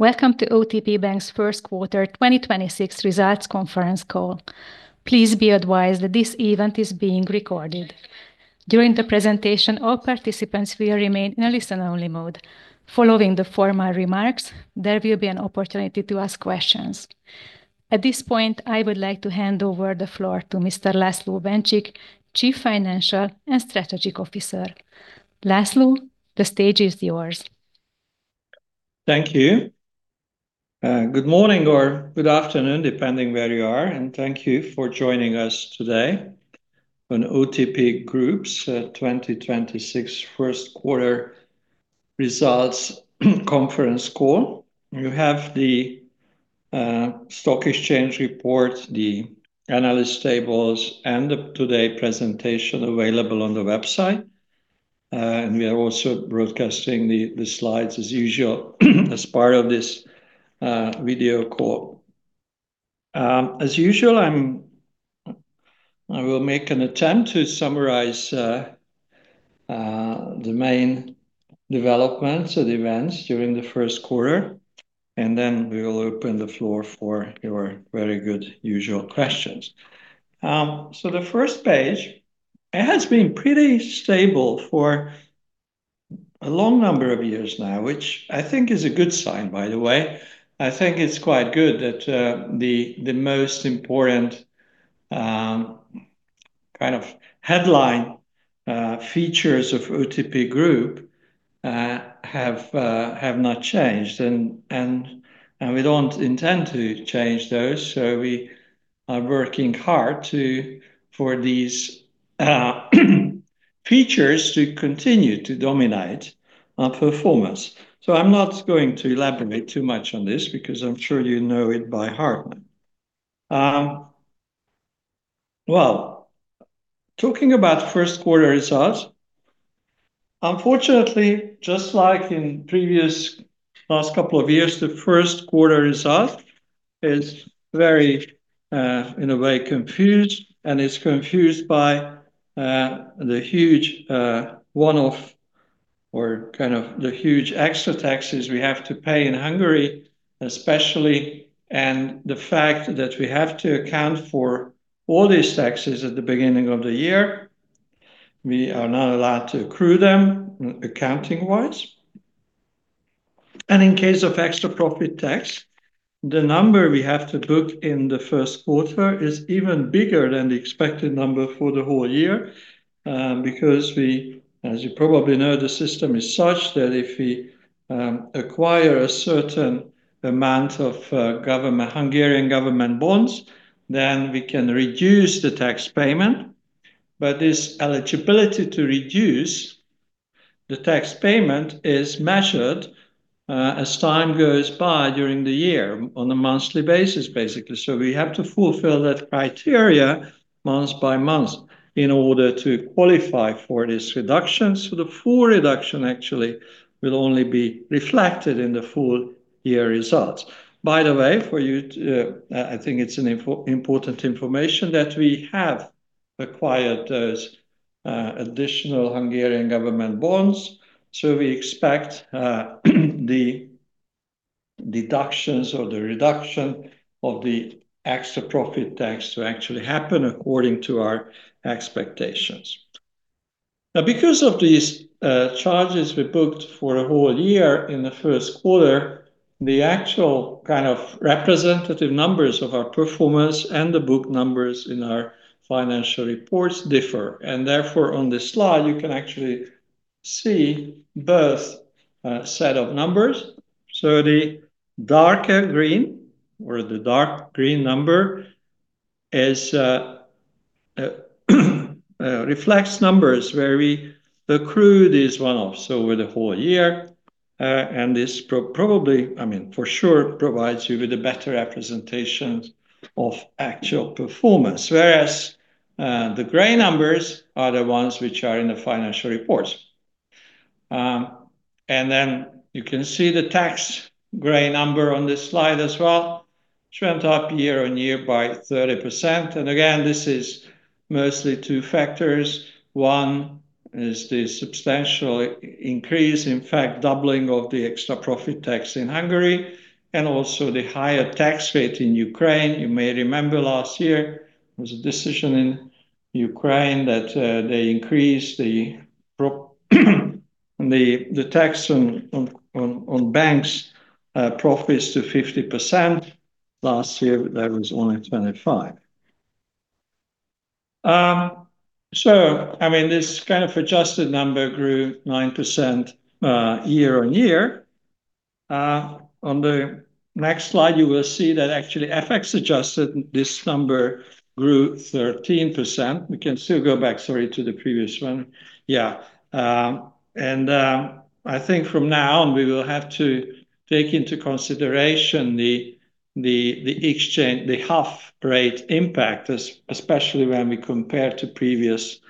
Welcome to OTP Bank's First Quarter 2026 Results Conference Call. Please be advised that this event is being recorded. During the presentation, all participants will remain in a listen-only mode. Following the formal remarks, there will be an opportunity to ask questions. At this point, I would like to hand over the floor to Mr. László Bencsik, Chief Financial and Strategic Officer. László, the stage is yours. Thank you. Good morning or good afternoon, depending where you are, and thank you for joining us today on OTP Group's 2026 1st quarter results conference call. You have the stock exchange report, the analyst tables, and the today presentation available on the website. We are also broadcasting the slides as usual as part of this video call. As usual, I will make an attempt to summarize the main developments or events during the 1st quarter, then we will open the floor for your very good usual questions. The 1st page, it has been pretty stable for a long number of years now, which I think is a good sign, by the way. I think it's quite good that the most important kind of headline features of OTP Group have not changed. We don't intend to change those, we are working hard for these features to continue to dominate our performance. I'm not going to elaborate too much on this because I'm sure you know it by heart. Well, talking about first quarter results, unfortunately, just like in previous last couple of years, the first quarter result is very in a way confused, and it's confused by the huge one-off or kind of the huge extra taxes we have to pay in Hungary, especially, and the fact that we have to account for all these taxes at the beginning of the year. We are not allowed to accrue them accounting-wise. In case of extra profit tax, the number we have to book in the 1st quarter is even bigger than the expected number for the whole year, because we, as you probably know, the system is such that if we acquire a certain amount of Hungarian government bonds, then we can reduce the tax payment. This eligibility to reduce the tax payment is measured as time goes by during the year on a monthly basis, basically. We have to fulfill that criteria month by month in order to qualify for this reduction. The full reduction actually will only be reflected in the full year results. By the way, for you to, I think it's an important information that we have acquired those additional Hungarian government bonds. We expect the deductions or the reduction of the extra profit tax to actually happen according to our expectations. Because of these charges we booked for a whole year in the first quarter, the actual kind of representative numbers of our performance and the book numbers in our financial reports differ. On this slide, you can actually see both set of numbers. The darker green or the dark green number reflects numbers where we accrued this one-off. Over the whole year, and this probably, I mean for sure, provides you with a better representation of actual performance, whereas the gray numbers are the ones which are in the financial reports. Then you can see the tax gray number on this slide as well, went up year-on-year by 30%. Again, this is mostly 2 factors. One is the substantial increase, in fact, doubling of the extra profit tax in Hungary and also the higher tax rate in Ukraine. You may remember last year there was a decision in Ukraine that they increased the tax on banks' profits to 50%. Last year that was only 25%. I mean, this kind of adjusted number grew 9% year-on-year. On the next slide, you will see that actually FX adjusted this number grew 13%. We can still go back, sorry, to the previous one. Yeah. I think from now on, we will have to take into consideration the, the exchange, the HUF rate impact, especially when we compare to previous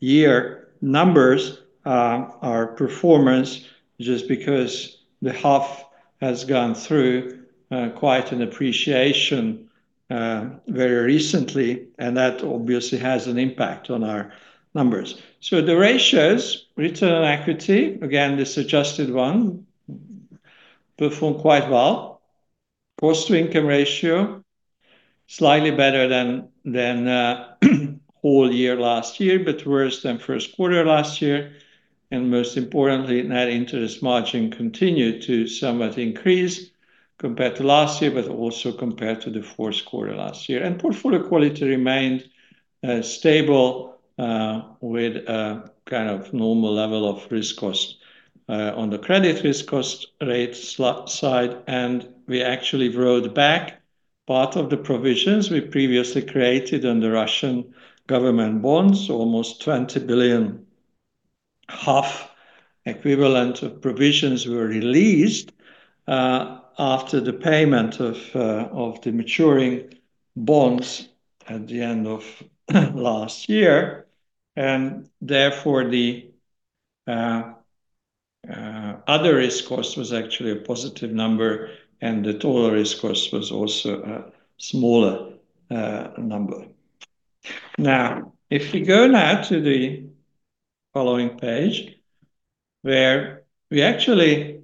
year numbers, our performance, just because the HUF has gone through quite an appreciation very recently, and that obviously has an impact on our numbers. The ratios, return on equity, again, this adjusted one, performed quite well. cost-to-income ratio, slightly better than whole year last year, but worse than first quarter last year. Most importantly, net interest margin continued to somewhat increase compared to last year, but also compared to the fourth quarter last year. Portfolio quality remained stable with a kind of normal level of risk cost on the credit risk cost rate side. We actually wrote back part of the provisions we previously created on the Russian government bonds, almost 20 billion equivalent of provisions were released after the payment of the maturing bonds at the end of last year. Therefore the other risk cost was actually a positive number and the total risk cost was also a smaller number. Now, if we go now to the following page where we actually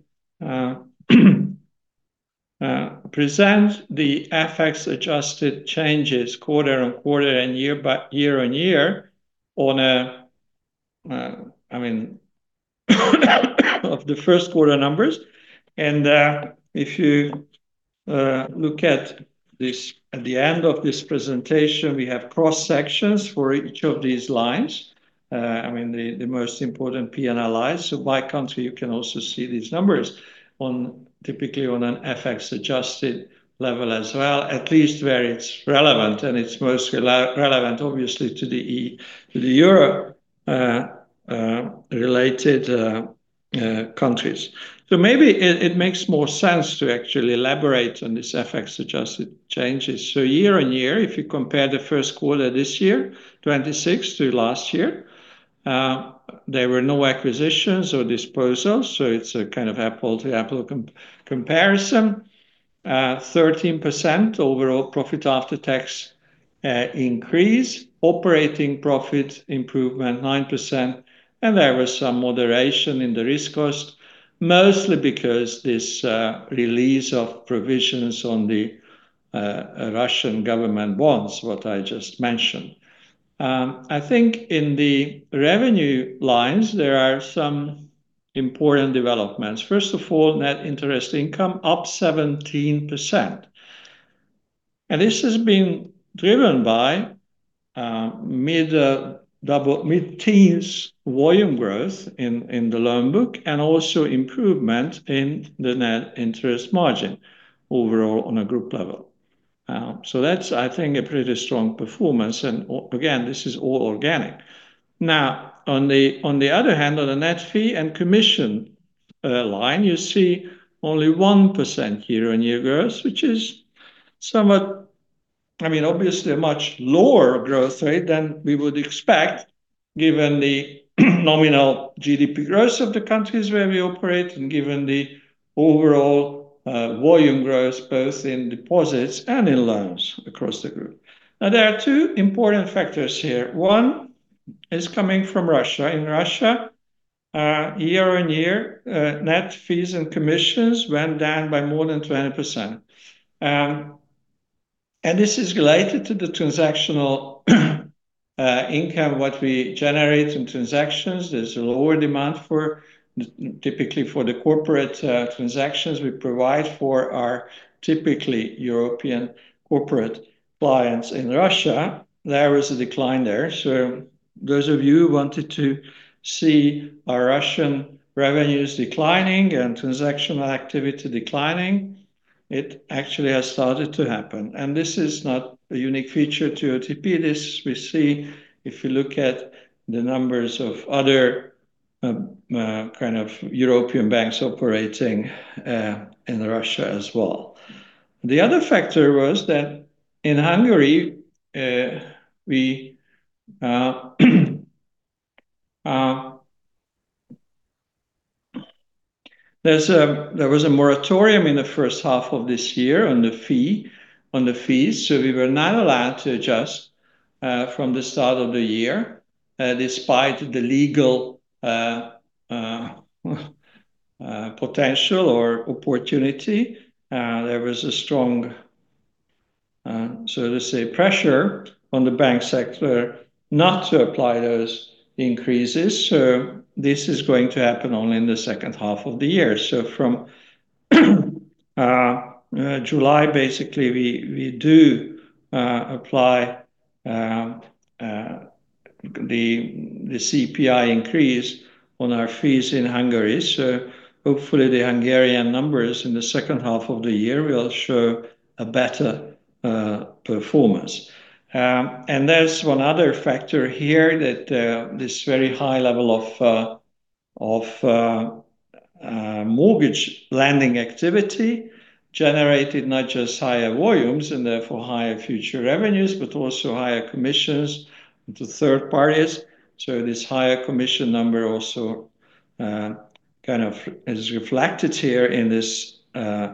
present the FX-adjusted changes quarter-on-quarter and year-on-year on a, I mean, of the 1st quarter numbers. If you look at this, at the end of this presentation we have cross-sections for each of these lines, I mean, the most important P&L lines. By country you can also see these numbers on, typically on an FX-adjusted level as well, at least where it's relevant, and it's most relevant obviously to Europe related countries. Maybe it makes more sense to actually elaborate on this FX-adjusted changes. year-on-year, if you compare the first quarter this year, 2026, to last year, there were no acquisitions or disposals, so it's a kind of apple to apple comparison. 13% overall profit after tax increase. Operating profit improvement 9%, and there was some moderation in the risk cost, mostly because this release of provisions on the Russian government bonds, what I just mentioned. I think in the revenue lines there are some important developments. First of all, net interest income up 17%, this has been driven by mid-teens volume growth in the loan book, also improvement in the net interest margin overall on a group level. That's, I think, a pretty strong performance. Again, this is all organic. Now, on the other hand, on the net fee and commission line, you see only 1% year-on-year growth, which is somewhat, I mean, obviously a much lower growth rate than we would expect given the nominal GDP growth of the countries where we operate and given the overall volume growth both in deposits and in loans across the group. Now, there are 2 important factors here. One is coming from Russia. In Russia, year-on-year, net fees and commissions went down by more than 20%. This is related to the transactional income, what we generate in transactions. There's a lower demand for typically for the corporate transactions we provide for our typically European corporate clients in Russia. There is a decline there. Those of you who wanted to see our Russian revenues declining and transactional activity declining, it actually has started to happen. This is not a unique feature to OTP. This we see if you look at the numbers of other kind of European banks operating in Russia as well. The other factor was that in Hungary, there was a moratorium in the first half of this year on the fees, so we were not allowed to adjust from the start of the year, despite the legal potential or opportunity. There was a strong, so to say, pressure on the bank sector not to apply those increases. This is going to happen only in the second half of the year. From July, basically we do apply the CPI increase on our fees in Hungary. Hopefully the Hungarian numbers in the second half of the year will show a better performance. There's one other factor here that this very high level of mortgage lending activity generated not just higher volumes and therefore higher future revenues, but also higher commissions to third parties. This higher commission number also kind of is reflected here in this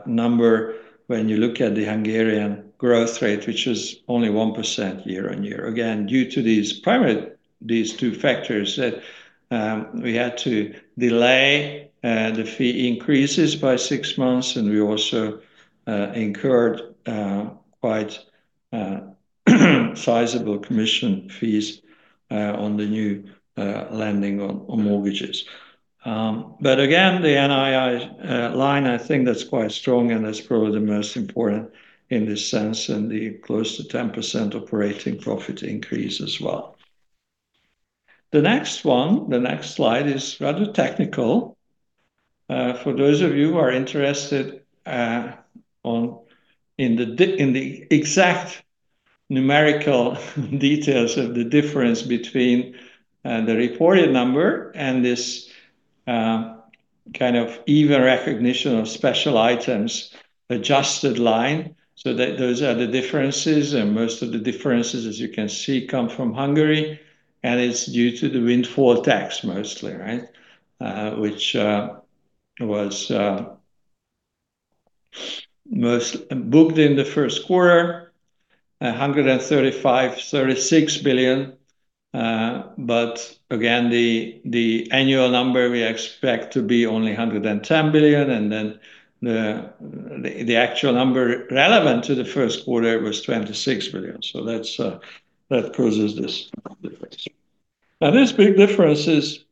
number when you look at the Hungarian growth rate, which is only 1% year-on-year. Again, due to these two factors that we had to delay the fee increases by 6 months, and we also incurred quite sizable commission fees on the new lending on mortgages. Again, the NII line, I think that's quite strong, and that's probably the most important in this sense and the close to 10% operating profit increase as well. The next one, the next slide is rather technical. For those of you who are interested in the exact numerical details of the difference between the reported number and this kind of even recognition of special items adjusted line. Those are the differences, and most of the differences, as you can see, come from Hungary, and it's due to the windfall tax mostly, right? Which was most booked in the first quarter, 135 billion-136 billion. Again, the annual number we expect to be only 110 billion, and then the actual number relevant to the first quarter was 26 billion. That causes this difference. This big difference is,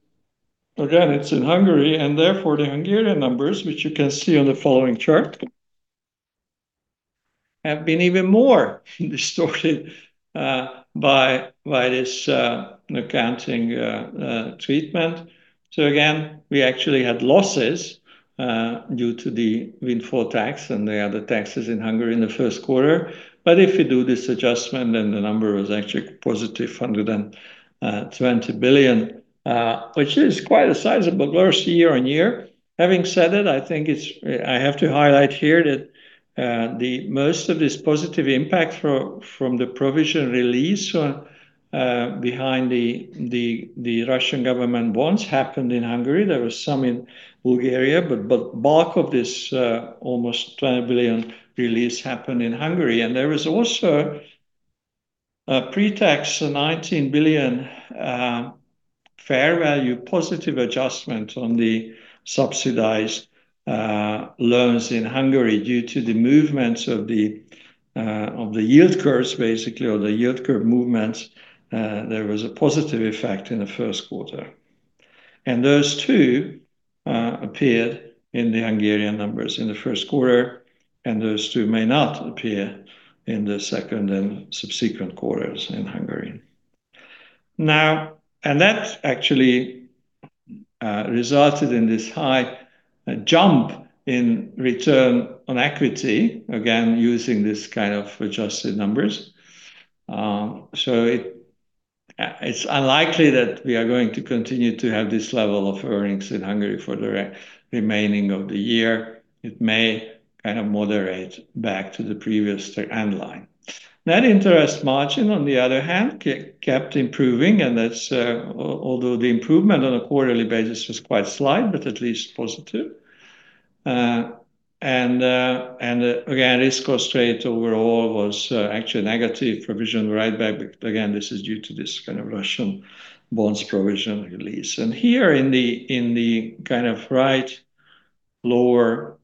again, it's in Hungary, and therefore, the Hungarian numbers, which you can see on the following chart, have been even more distorted by this accounting treatment. Again, we actually had losses due to the windfall tax and the other taxes in Hungary in the first quarter. If you do this adjustment, then the number was actually positive 120 billion, which is quite a sizable growth year-on-year. Having said it, I have to highlight here that the most of this positive impact from the provision release behind the Russian government bonds happened in Hungary. There was some in Bulgaria, but bulk of this almost 20 billion release happened in Hungary. There was also a pre-tax of 19 billion fair value positive adjustment on the subsidized loans in Hungary due to the movements of the yield curves, basically, or the yield curve movements. There was a positive effect in the first quarter. Those two appeared in the Hungarian numbers in the first quarter, and those two may not appear in the second and subsequent quarters in Hungary. That actually resulted in this high jump in return on equity, again, using this kind of adjusted numbers. It's unlikely that we are going to continue to have this level of earnings in Hungary for the remaining of the year. It may kind of moderate back to the previous trend line. Net interest margin, on the other hand, kept improving, that's although the improvement on a quarterly basis was quite slight, but at least positive. Again, risk cost rate overall was actually negative provision write-back. Again, this is due to this kind of Russian bonds provision release. Here in the, in the kind of right lower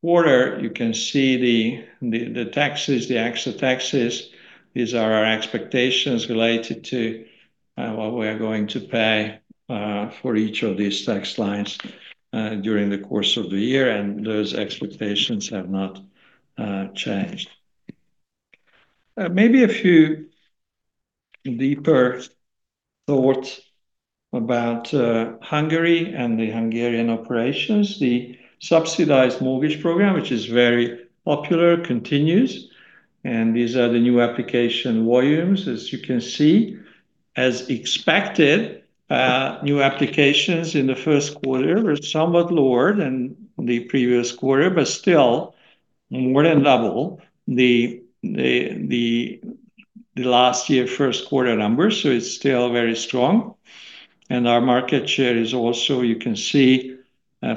quarter, you can see the taxes, the actual taxes. These are our expectations related to what we are going to pay for each of these tax lines during the course of the year, those expectations have not changed. Maybe a few deeper thoughts about Hungary and the Hungarian operations. The Subsidized Mortgage Program, which is very popular, continues. These are the new application volumes. As you can see, as expected, new applications in the first quarter were somewhat lower than the previous quarter, but still more than double the last year first quarter numbers, so it's still very strong. Our market share is also, you can see,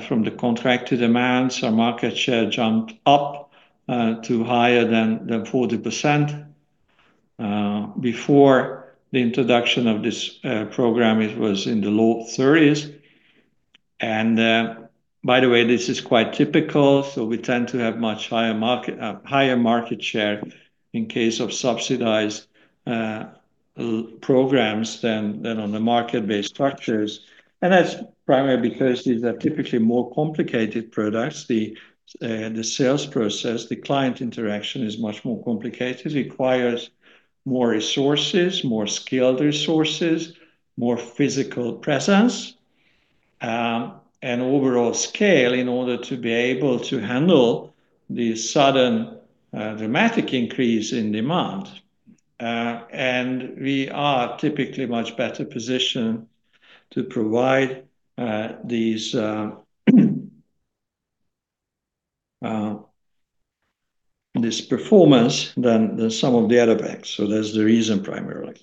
from the contracted demands, our market share jumped up to higher than 40%. Before the introduction of this program, it was in the low 30s. By the way, this is quite typical. We tend to have much higher market share in case of subsidized programs than on the market-based structures. That's primarily because these are typically more complicated products. The sales process, the client interaction is much more complicated, requires more resources, more skilled resources, more physical presence and overall scale in order to be able to handle the sudden dramatic increase in demand. We are typically much better positioned to provide this performance than some of the other banks. That's the reason primarily.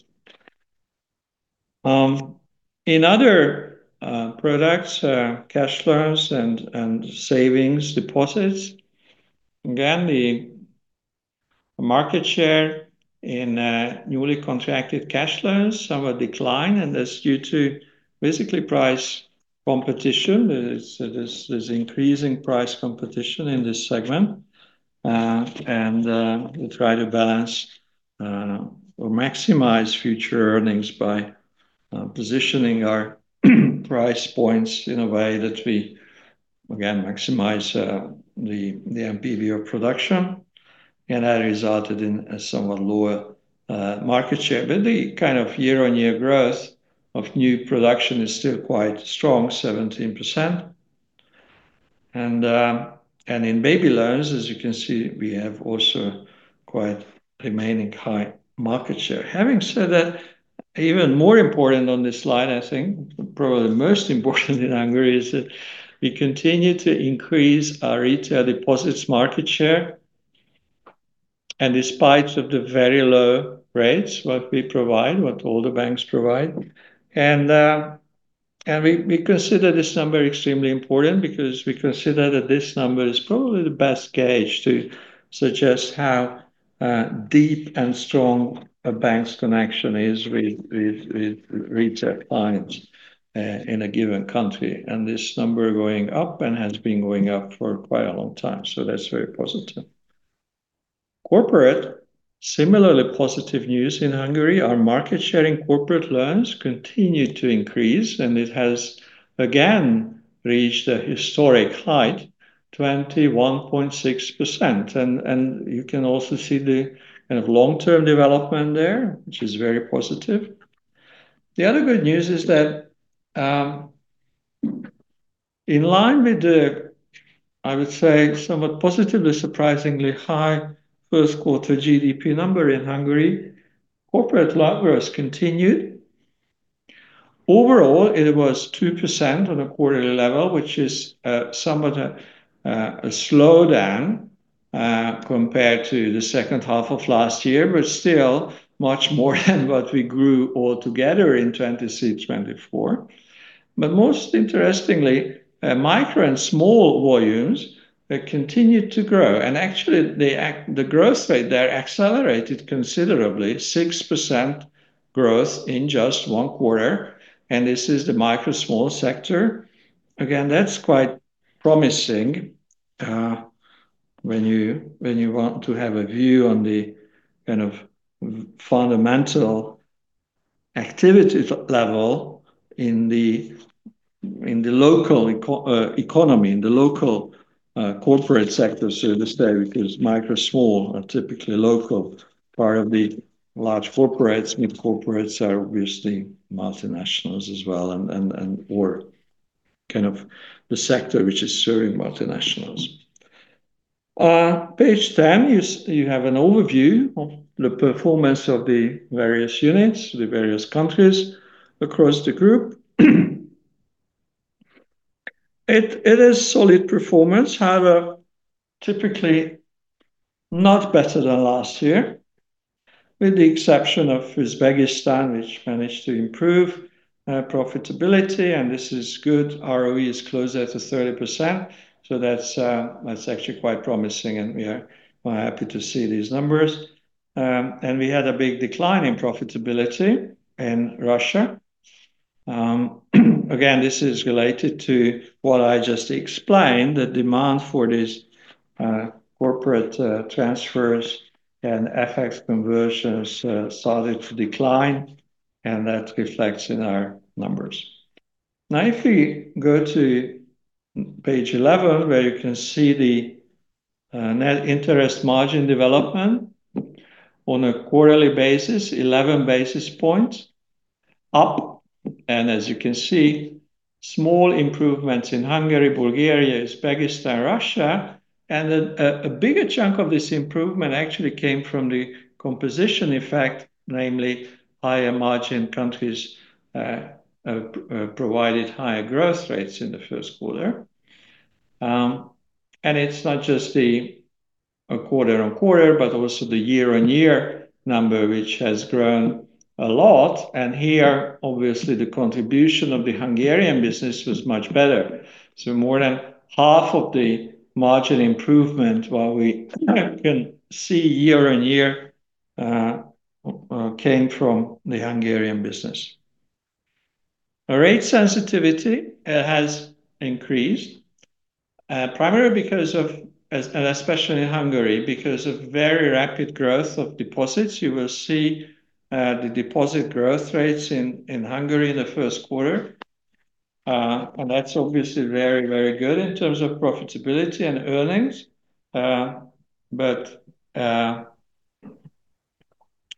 In other products, cash loans and savings deposits, again, the market share in newly contracted cash loans somewhat decline, and that's due to basically price competition. There's increasing price competition in this segment. We try to balance or maximize future earnings by positioning our price points in a way that we again maximize the NPV of production. That resulted in a somewhat lower market share. The kind of year-on-year growth of new production is still quite strong, 17%. In Baby Loan, as you can see, we have also quite remaining high market share. Having said that, even more important on this slide, I think probably the most important in Hungary is that we continue to increase our retail deposits market share despite of the very low rates what we provide, what all the banks provide. We consider this number extremely important because we consider that this number is probably the best gauge to suggest how deep and strong a bank's connection is with retail clients in a given country. This number going up and has been going up for quite a long time. That's very positive. Corporate, similarly positive news in Hungary, our market share in corporate loans continued to increase. It has again reached a historic height, 21.6%. You can also see the kind of long-term development there, which is very positive. The other good news is that, in line with the, I would say, somewhat positively surprisingly high first quarter GDP number in Hungary, corporate loan growth continued. Overall, it was 2% on a quarterly level, which is somewhat a slowdown compared to the second half of last year, but still much more than what we grew altogether in 2023, 2024. Most interestingly, micro and small volumes, they continued to grow. Actually the growth rate there accelerated considerably, 6% growth in just 1 quarter. This is the micro small sector. Again, that's quite promising, when you, when you want to have a view on the kind of fundamental activity level in the, in the local economy, in the local, corporate sector. This there because micro small are typically local. Part of the large corporates, mid corporates are obviously multinationals as well or kind of the sector which is serving multinationals. Page 10, you have an overview of the performance of the various units, the various countries across the group. It is solid performance, however, typically not better than last year, with the exception of Uzbekistan, which managed to improve profitability, and this is good. ROE is closer to 30%. That's actually quite promising, and we are, we're happy to see these numbers. We had a big decline in profitability in Russia. Again, this is related to what I just explained, the demand for these corporate transfers and FX conversions started to decline, and that reflects in our numbers. Now if we go to page 11, where you can see the net interest margin development on a quarterly basis, 11 basis points up. As you can see, small improvements in Hungary, Bulgaria, Uzbekistan, Russia. Then a bigger chunk of this improvement actually came from the composition effect, namely higher margin countries provided higher growth rates in the first quarter. It's not just the quarter-on-quarter, but also the year-on-year number, which has grown a lot. Here, obviously, the contribution of the Hungarian business was much better. More than half of the margin improvement, what we can see year-on-year, came from the Hungarian business. Our rate sensitivity has increased primarily because of especially in Hungary, because of very rapid growth of deposits. You will see the deposit growth rates in Hungary in the first quarter. That's obviously very, very good in terms of profitability and earnings.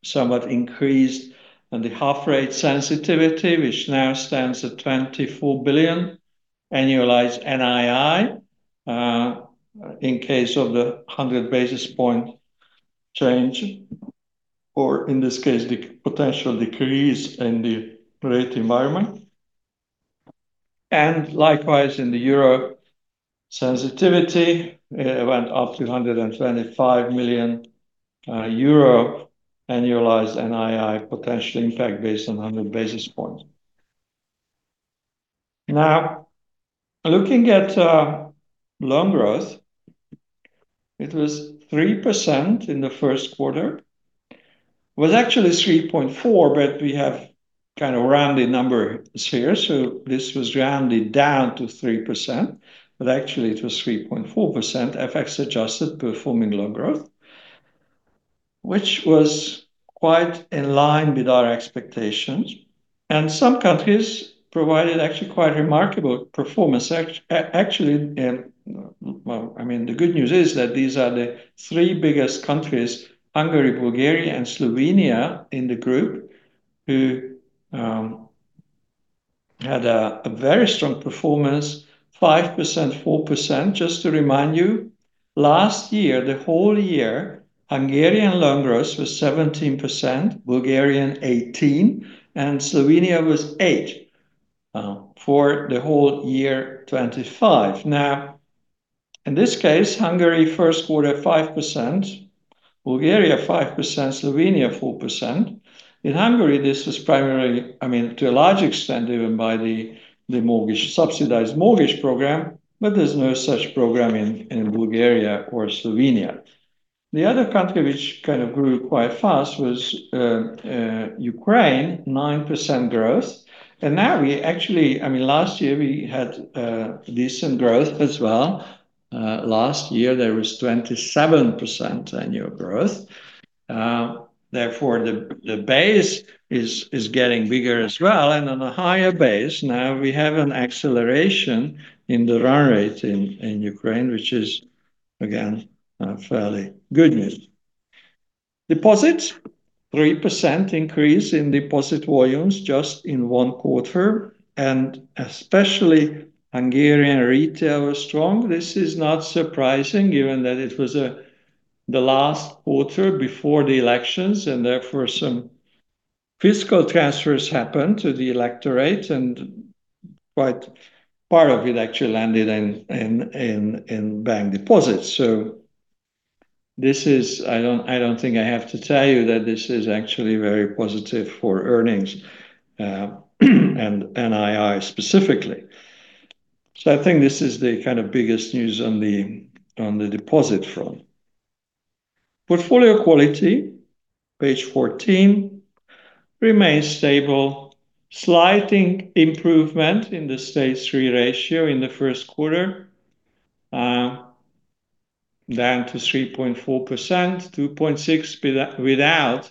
Somewhat increased on the HUF rate sensitivity, which now stands at 24 billion annualized NII in case of the 100 basis point change, or in this case, the potential decrease in the rate environment. Likewise in the euro sensitivity, it went up to 125 million euro annualized NII potential impact based on a 100 basis points. Looking at loan growth, it was 3% in the first quarter. Was actually 3.4, but we have kind of rounded numbers here, so this was rounded down to 3%, but actually it was 3.4% FX-adjusted performing loan growth, which was quite in line with our expectations. Some countries provided actually quite remarkable performance actually in Well, I mean, the good news is that these are the three biggest countries, Hungary, Bulgaria and Slovenia in the group who had a very strong performance, 5%, 4%. Just to remind you, last year, the whole year, Hungarian loan growth was 17%, Bulgarian 18, and Slovenia was 8 for the whole year 2025. In this case, Hungary first quarter 5%, Bulgaria 5%, Slovenia 4%. In Hungary, this was primarily, I mean, to a large extent driven by the subsidized mortgage program, there's no such program in Bulgaria or Slovenia. The other country which kind of grew quite fast was Ukraine, 9% growth. Now we actually I mean, last year we had decent growth as well. Last year there was 27% annual growth. Therefore, the base is getting bigger as well and on a higher base. Now we have an acceleration in the run rate in Ukraine, which is again, fairly good news. Deposits, 3% increase in deposit volumes just in 1 quarter, especially Hungarian retail was strong. This is not surprising given that it was the last quarter before the elections and therefore some fiscal transfers happened to the electorate and quite part of it actually landed in bank deposits. I don't think I have to tell you that this is actually very positive for earnings, and NII specifically. I think this is the kind of biggest news on the deposit front. Portfolio quality, page 14, remains stable. Slight improvement in the Stage 3 ratio in the first quarter, down to 3.4%, 2.6 without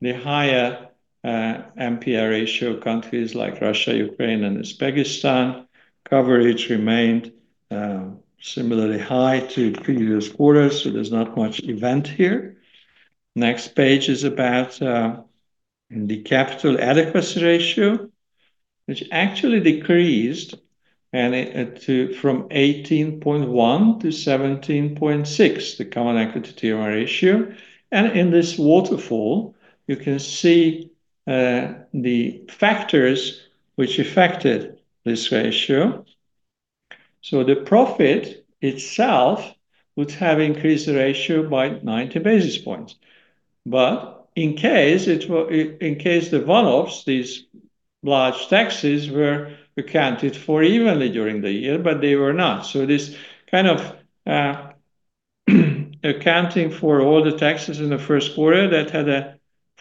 the higher NPL ratio countries like Russia, Ukraine and Uzbekistan. Coverage remained similarly high to previous quarters, there's not much event here. Next page is about the capital adequacy ratio, which actually decreased from 18.1 to 17.6, the Common Equity Tier 1 ratio. In this waterfall, you can see the factors which affected this ratio. The profit itself would have increased the ratio by 90 basis points. In case the one-offs, these large taxes were accounted for evenly during the year, but they were not. This kind of accounting for all the taxes in the first quarter that had a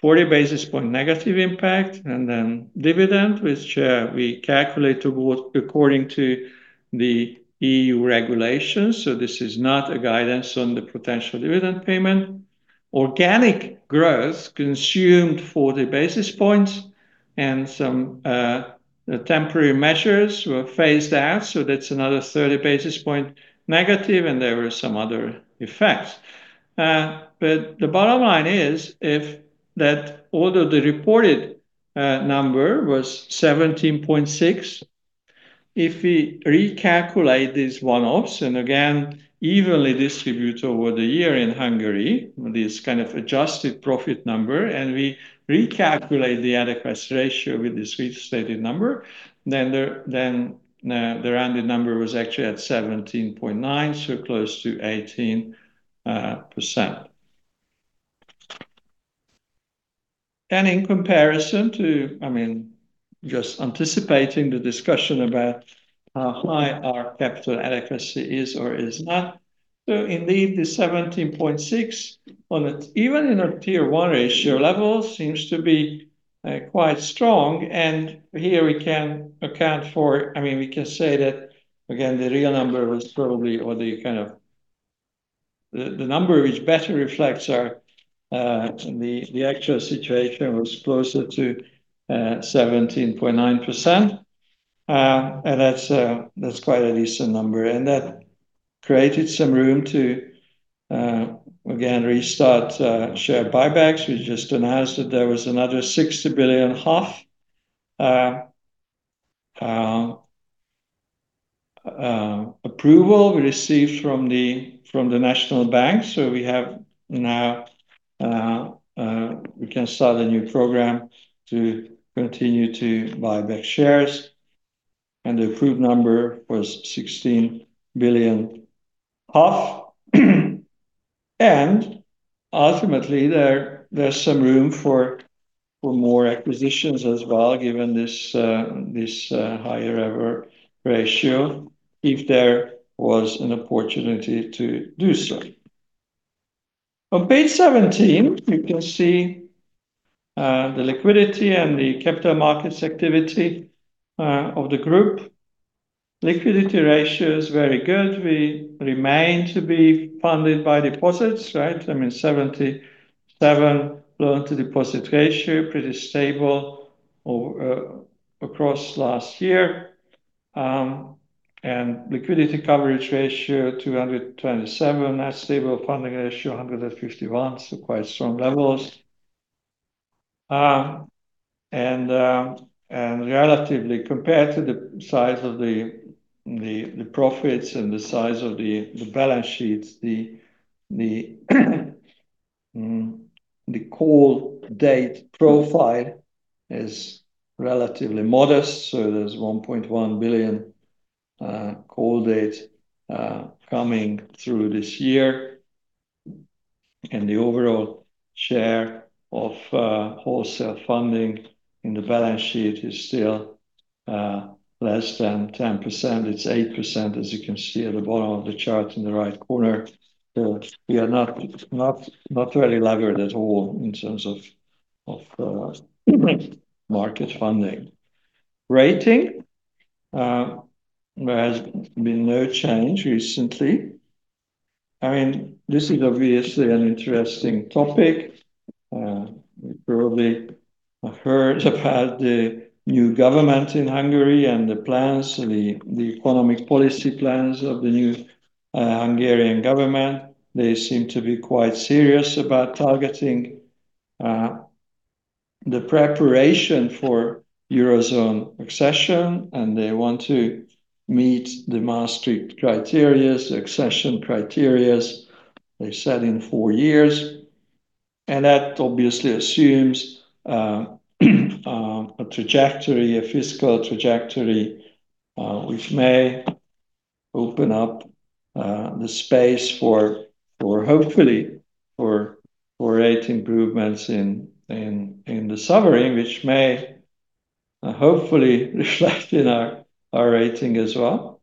40 basis point negative impact and then dividend, which we calculate according to the EU regulations, so this is not a guidance on the potential dividend payment. Organic growth consumed 40 basis points and some temporary measures were phased out, so that's another 30 basis point negative, and there were some other effects. But the bottom line is if that although the reported number was 17.6, if we recalculate these one-offs and again evenly distribute over the year in Hungary this kind of adjusted profit number, and we recalculate the adequacy ratio with this restated number, then the, then the rounded number was actually at 17.9, so close to 18%. In comparison to I mean, just anticipating the discussion about how high our capital adequacy is or is not. Indeed, the 17.6 on it, even in our Tier 1 ratio level seems to be quite strong. Here we can account for I mean, we can say that again, the real number was probably or the kind of the number which better reflects our the actual situation was closer to 17.9%. And that's quite a decent number. That created some room to again restart share buybacks. We just announced that there was another HUF 60 billion approval we received from the National Bank. We have now we can start a new program to continue to buy back shares, and the approved number was HUF 16 billion. Ultimately there's some room for more acquisitions as well, given this higher ever ratio if there was an opportunity to do so. On page 17, you can see the liquidity and the capital markets activity of the group. Liquidity ratio is very good. We remain to be funded by deposits, right? I mean, 77 loan-to-deposit ratio, pretty stable over across last year. And Liquidity Coverage Ratio 227%. Net Stable Funding Ratio 151%, so quite strong levels. Relatively compared to the size of the profits and the size of the balance sheets, the call date profile is relatively modest. There's 1.1 billion call date coming through this year. The overall share of wholesale funding in the balance sheet is still less than 10%. It's 8%, as you can see at the bottom of the chart in the right corner. We are not really levered at all in terms of market funding. Rating, there has been no change recently. I mean, this is obviously an interesting topic. You probably have heard about the new government in Hungary and the plans, the economic policy plans of the new Hungarian government. They seem to be quite serious about targeting the preparation for eurozone accession, and they want to meet the Maastricht criteria, accession criteria they've set in four years. That obviously assumes a trajectory, a fiscal trajectory, which may open up the space for hopefully for rate improvements in the sovereign, which may hopefully reflect in our rating as well.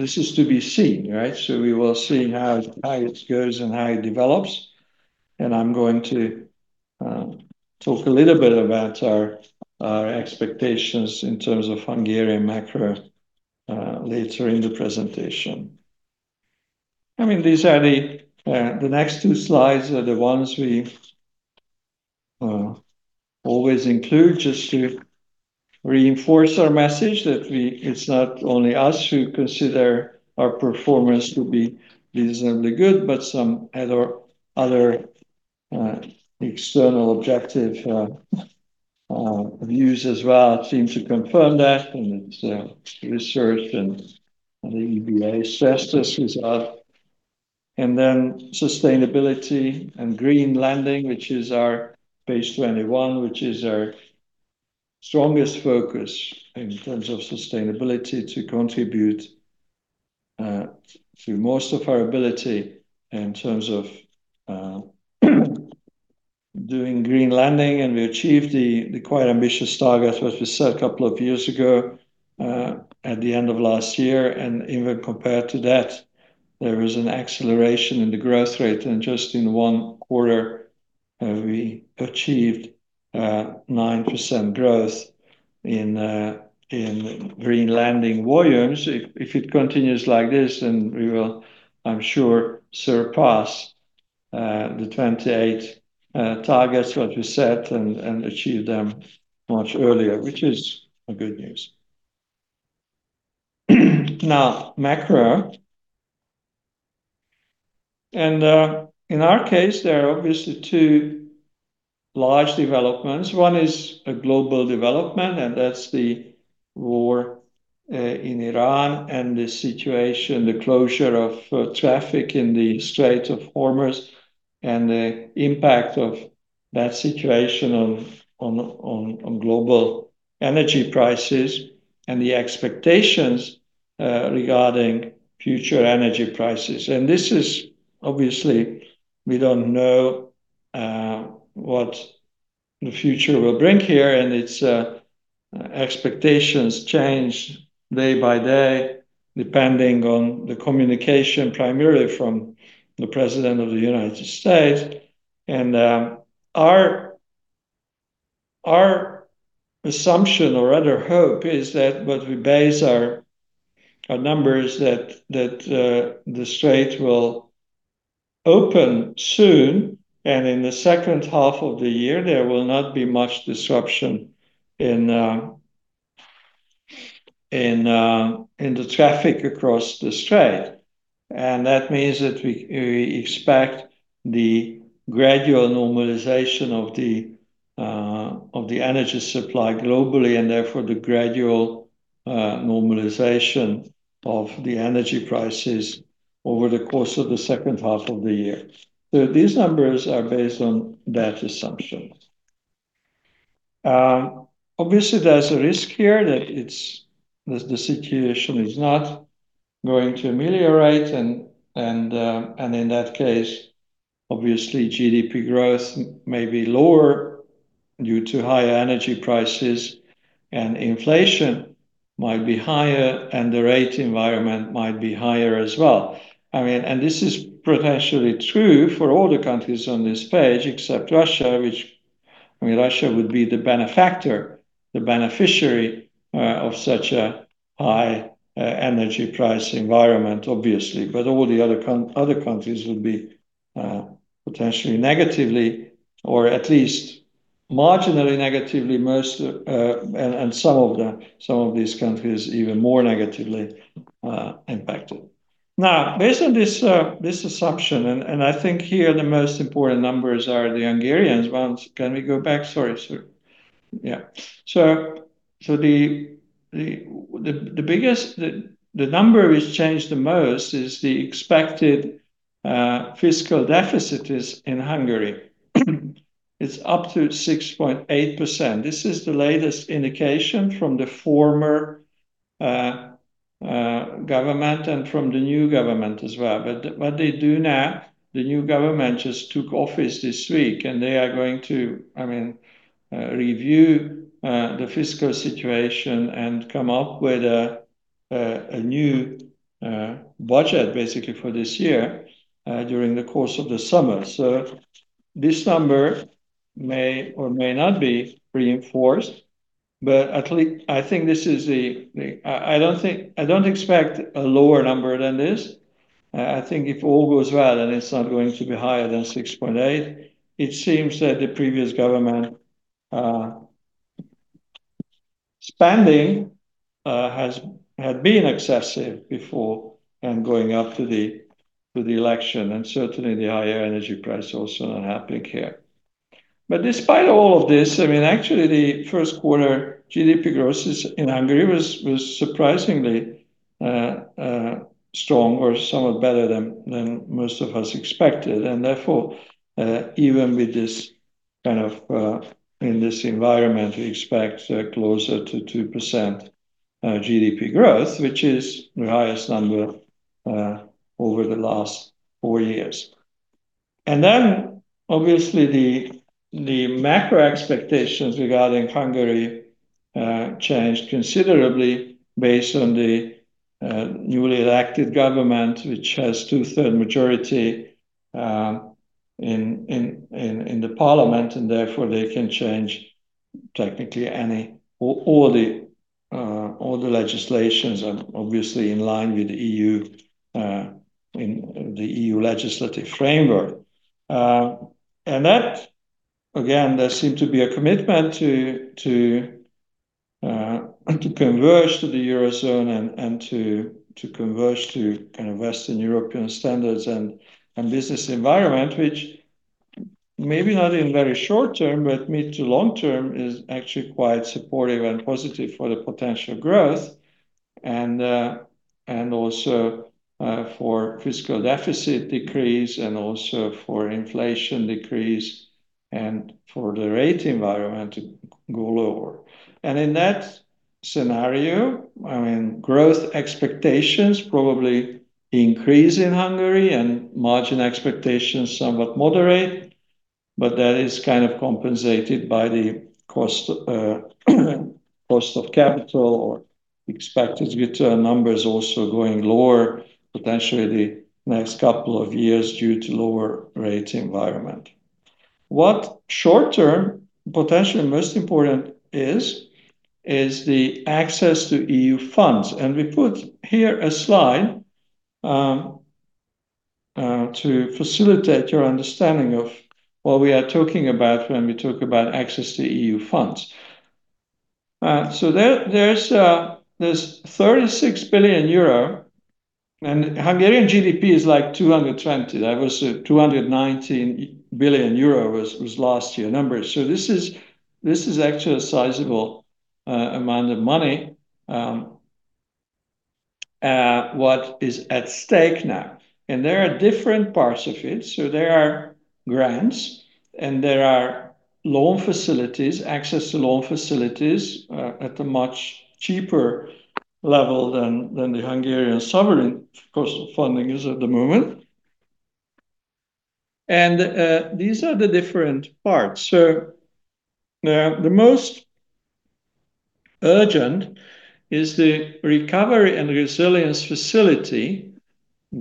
This is to be seen, right? We will see how it goes and how it develops. I'm going to talk a little bit about our expectations in terms of Hungarian macro later in the presentation. I mean, these are the next two slides are the ones we always include just to reinforce our message that it's not only us who consider our performance to be reasonably good, but some other external objective views as well seem to confirm that. It's research and the EBA stress test result. Then sustainability and green lending, which is our page 21, which is our strongest focus in terms of sustainability to contribute to most of our ability in terms of doing green lending. We achieved the quite ambitious targets that we set a couple of years ago at the end of last year. Even compared to that, there was an acceleration in the growth rate. Just in one quarter, we achieved 9% growth in green lending volumes. If, if it continues like this, then we will, I'm sure, surpass the 28 targets that we set and achieve them much earlier, which is a good news. Macro. In our case, there are obviously two large developments. One is a global development, and that's the war in Iran and the situation, the closure of traffic in the Strait of Hormuz and the impact of that situation on global energy prices and the expectations regarding future energy prices. This is obviously we don't know what the future will bring here, and its expectations change day-by-day depending on the communication primarily from the President of the United States. Our assumption or rather hope is that what we base our numbers that the strait will open soon, and in the second half of the year there will not be much disruption in the traffic across the strait. That means that we expect the gradual normalization of the energy supply globally, and therefore the gradual normalization of the energy prices over the course of the second half of the year. These numbers are based on that assumption. Obviously there's a risk here that it's the situation is not going to ameliorate and in that case, obviously GDP growth may be lower due to higher energy prices and inflation might be higher and the rate environment might be higher as well. I mean, this is potentially true for all the countries on this page except Russia, which, I mean Russia would be the benefactor, the beneficiary, of such a high, energy price environment obviously. All the other countries would be, potentially negatively or at least marginally negatively most, and some of these countries even more negatively, impacted. Now, based on this assumption, I think here the most important numbers are the Hungarians ones. Can we go back? Sorry, sir. The biggest number which changed the most is the expected fiscal deficit is in Hungary. It's up to 6.8%. This is the latest indication from the former government and from the new government as well. What they do now, the new government just took office this week and they are going to review the fiscal situation and come up with a new budget basically for this year during the course of the summer. This number may or may not be reinforced, but at least I don't expect a lower number than this. I think if all goes well, then it's not going to be higher than 6.8. It seems that the previous government spending had been excessive before and going up to the election, certainly the higher energy price also not helping here. Despite all of this, I mean, actually the first quarter GDP growth in Hungary was surprisingly strong or somewhat better than most of us expected. Therefore, even with this kind of in this environment, we expect closer to 2% GDP growth, which is the highest number over the last 4 years. Then obviously the macro expectations regarding Hungary changed considerably based on the newly elected government, which has two-third majority in the parliament, therefore they can change technically any or all the legislations and obviously in line with the EU in the EU legislative framework. That again, there seemed to be a commitment to converge to the Eurozone and to converge to kind of Western European standards and business environment, which maybe not in very short term, but mid to long term is actually quite supportive and positive for the potential growth and also for fiscal deficit decrease and also for inflation decrease and for the rate environment to go lower. In that scenario, I mean, growth expectations probably increase in Hungary and margin expectations somewhat moderate, but that is kind of compensated by the cost of capital or expected return numbers also going lower potentially the next couple of years due to lower rate environment. What short-term potentially most important is the access to EU funds. We put here a slide to facilitate your understanding of what we are talking about when we talk about access to EU funds. There's 36 billion euro and Hungarian GDP is like 220. That was 219 billion euro was last year numbers. This is actually a sizable amount of money what is at stake now. There are different parts of it. There are grants and there are loan facilities, access to loan facilities, at a much cheaper level than the Hungarian sovereign cost funding is at the moment. These are the different parts. The most urgent is the Recovery and Resilience Facility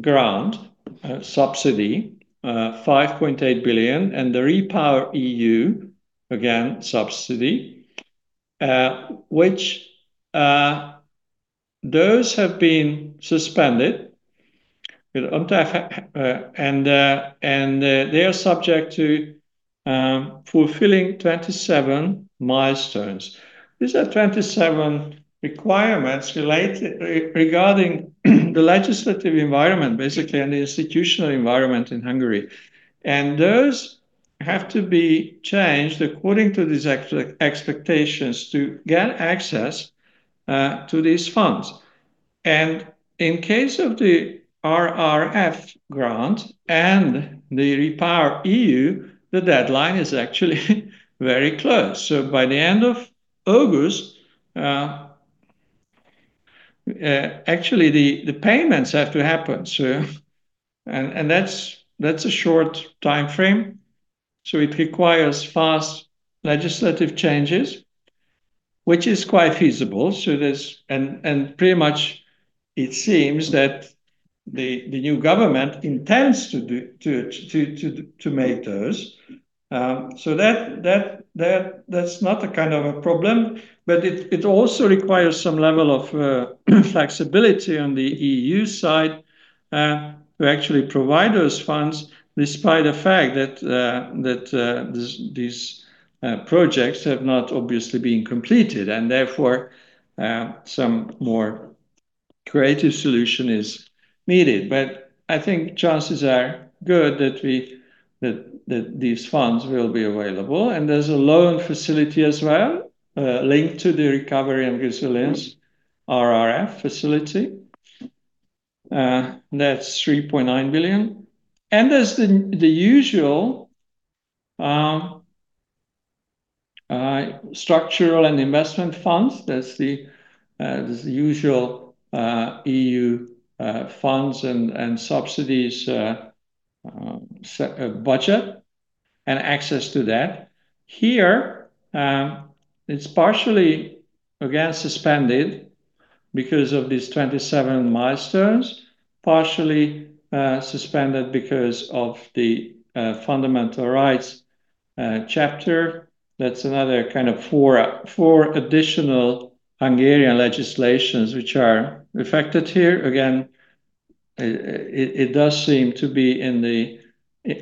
grant subsidy, 5.8 billion, and the REPowerEU, again, subsidy, which those have been suspended. You know, they are subject to fulfilling 27 milestones. These are 27 requirements regarding the legislative environment, basically, and the institutional environment in Hungary. Those have to be changed according to these expectations to get access to these funds. In case of the RRF grant and the REPowerEU, the deadline is actually very close. By the end of August, actually, the payments have to happen. That's a short timeframe, so it requires fast legislative changes, which is quite feasible. There's And, and pretty much it seems that the new government intends to make those. That's not a kind of a problem. It also requires some level of flexibility on the EU side to actually provide those funds despite the fact that these projects have not obviously been completed, and therefore, some more creative solution is needed. I think chances are good that these funds will be available. There's a loan facility as well linked to the Recovery and Resilience RRF facility. That's 3.9 billion. There's the usual structural and investment funds. That's the usual EU funds and subsidies budget and access to that. Here, it's partially again suspended because of these 27 milestones, partially suspended because of the fundamental rights chapter. That's another kind of 4 additional Hungarian legislations which are affected here. Again, it does seem to be in the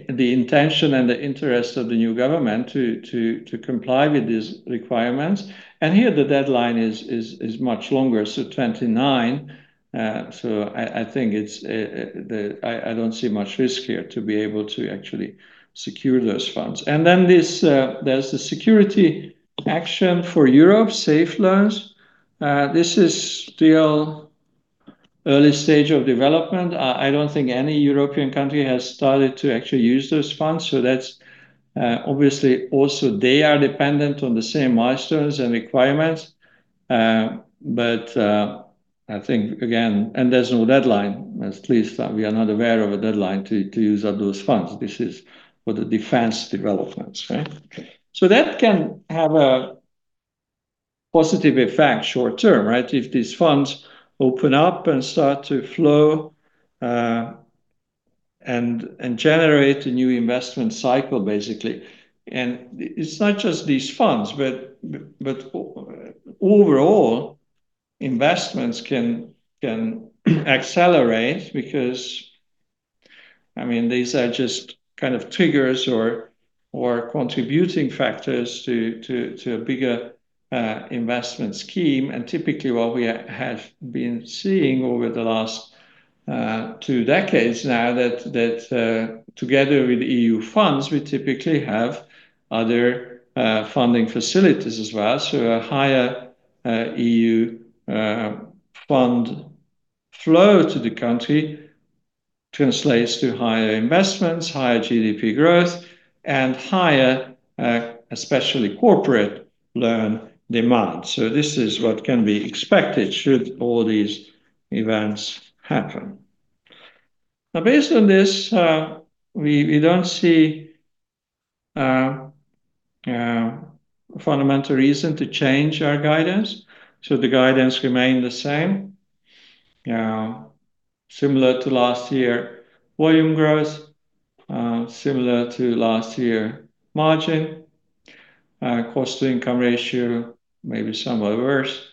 intention and the interest of the new government to comply with these requirements. Here the deadline is much longer, so 2029. I think it's the I don't see much risk here to be able to actually secure those funds. Then this, there's the Security Action for Europe safe loans. This is still early stage of development. I don't think any European country has started to actually use those funds. That's, obviously, also they are dependent on the same milestones and requirements. I think again there's no deadline. At least we are not aware of a deadline to use up those funds. This is for the defense developments, right? That can have a positive effect short term, right? If these funds open up and start to flow and generate a new investment cycle, basically. It's not just these funds, but overall investments can accelerate because, I mean, these are just kind of triggers or contributing factors to a bigger investment scheme. Typically, what we have been seeing over the last 2 decades now that, together with EU funds, we typically have other funding facilities as well. A higher EU fund flow to the country translates to higher investments, higher GDP growth, and higher, especially corporate loan demand. This is what can be expected should all these events happen. Based on this, we don't see fundamental reason to change our guidance. The guidance remain the same. Similar to last year volume growth, similar to last year margin. Cost-to-income ratio may be somewhat worse.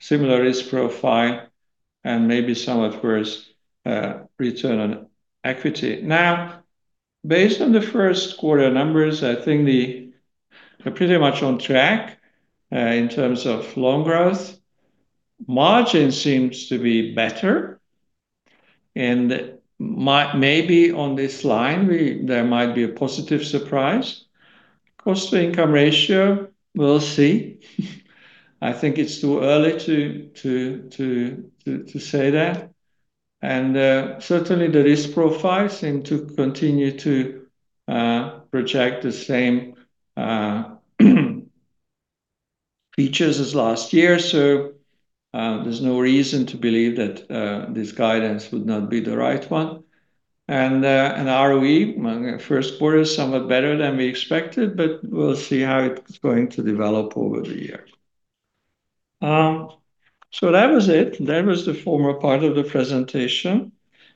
Similar risk profile, and maybe somewhat worse return on equity. Based on the 1st quarter numbers, I think we are pretty much on track in terms of loan growth. Margin seems to be better, and maybe on this line there might be a positive surprise. Cost to income ratio, we'll see. I think it's too early to say that. Certainly the risk profile seem to continue to project the same features as last year, so there's no reason to believe that this guidance would not be the right one. ROE, first quarter is somewhat better than we expected, but we'll see how it's going to develop over the year. That was it. That was the formal part of the presentation.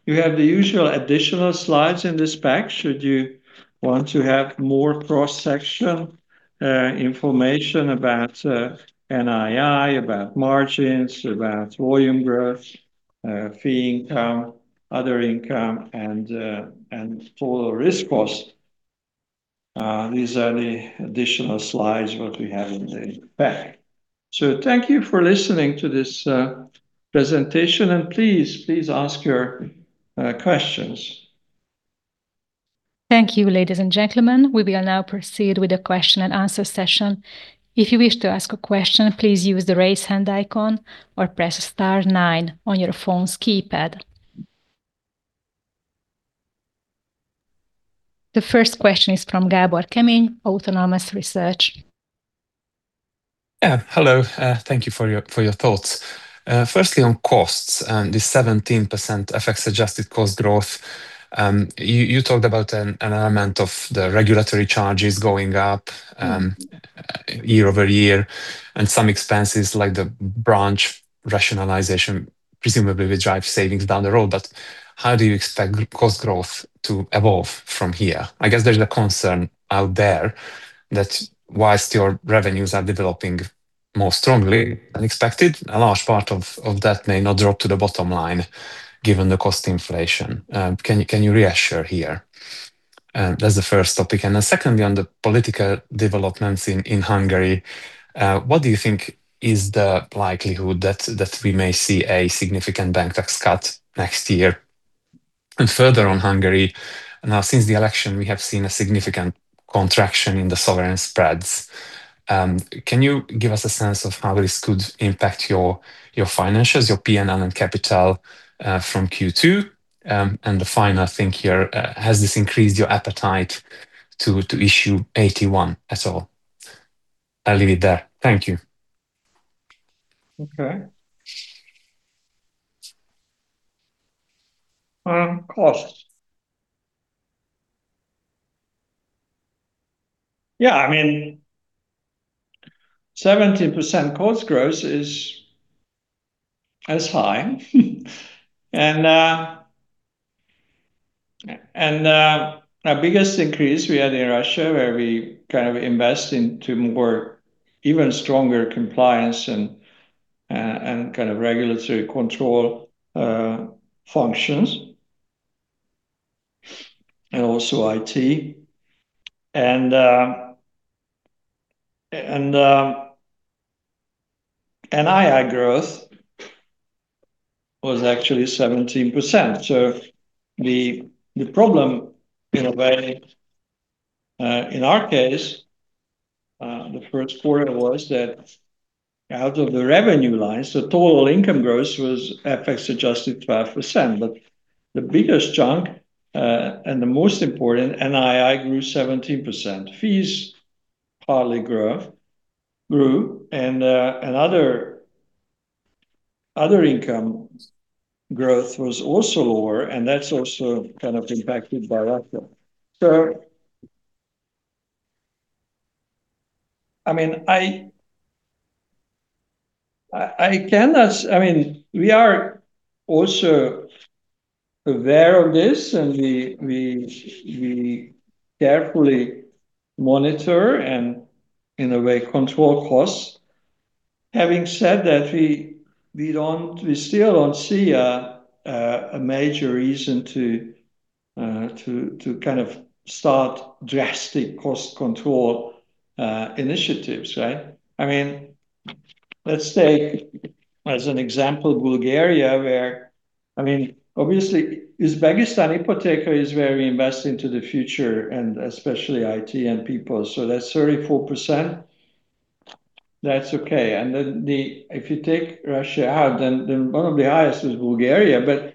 You have the usual additional slides in this pack should you want to have more cross-section, information about NII, about margins, about volume growth, fee income, other income, and total risk cost. These are the additional slides what we have in the pack. Thank you for listening to this presentation, and please ask your questions. Thank you, ladies and gentlemen. We will now proceed with the question and answer session. If you wish to ask a question, please use the raise hand icon or press star nine on your phone's keypad. The first question is from Gabor Kemeny, Autonomous Research. Hello. Thank you for your thoughts. Firstly, on costs and the 17% FX-adjusted cost growth. You talked about an element of the regulatory charges going up year-over-year and some expenses like the branch rationalization presumably will drive savings down the road. How do you expect cost growth to evolve from here? I guess there's a concern out there that whilst your revenues are developing more strongly than expected, a large part of that may not drop to the bottom line given the cost inflation. Can you reassure here? That's the first topic. Secondly, on the political developments in Hungary, what do you think is the likelihood that we may see a significant banking tax cut next year? Further on Hungary, now, since the election, we have seen a significant contraction in the sovereign spreads. Can you give us a sense of how this could impact your financials, your PNL and capital from Q2? The final thing here, has this increased your appetite to issue AT1 at all? I'll leave it there. Thank you. Okay. Cost. 17% cost growth is high. Our biggest increase we had in Russia where we invest into more even stronger compliance and regulatory control functions, and also IT. NII growth was actually 17%. The problem in a way in our case, the first quarter was that out of the revenue lines, the total income growth was FX-adjusted 12%. The biggest chunk and the most important NII grew 17%. Fees hardly grew, and other income growth was also lower, and that's also impacted by Russia. I mean, we are also aware of this, and we carefully monitor and in a way control costs. Having said that, we don't we still don't see a major reason to kind of start drastic cost control initiatives, right? I mean, let's take as an example Bulgaria where I mean, obviously Uzbekistan Ipoteka is where we invest into the future and especially IT and people. That's 34%. That's okay. Then if you take Russia out, then one of the highest is Bulgaria.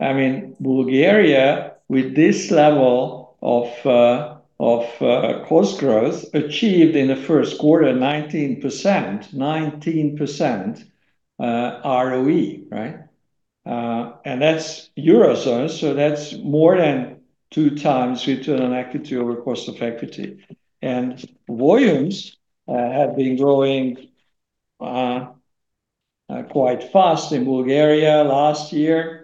I mean, Bulgaria, with this level of cost growth achieved in the first quarter 19%, 19% ROE, right? That's Eurozone, so that's more than two times return on equity over cost of equity. Volumes have been growing quite fast in Bulgaria last year.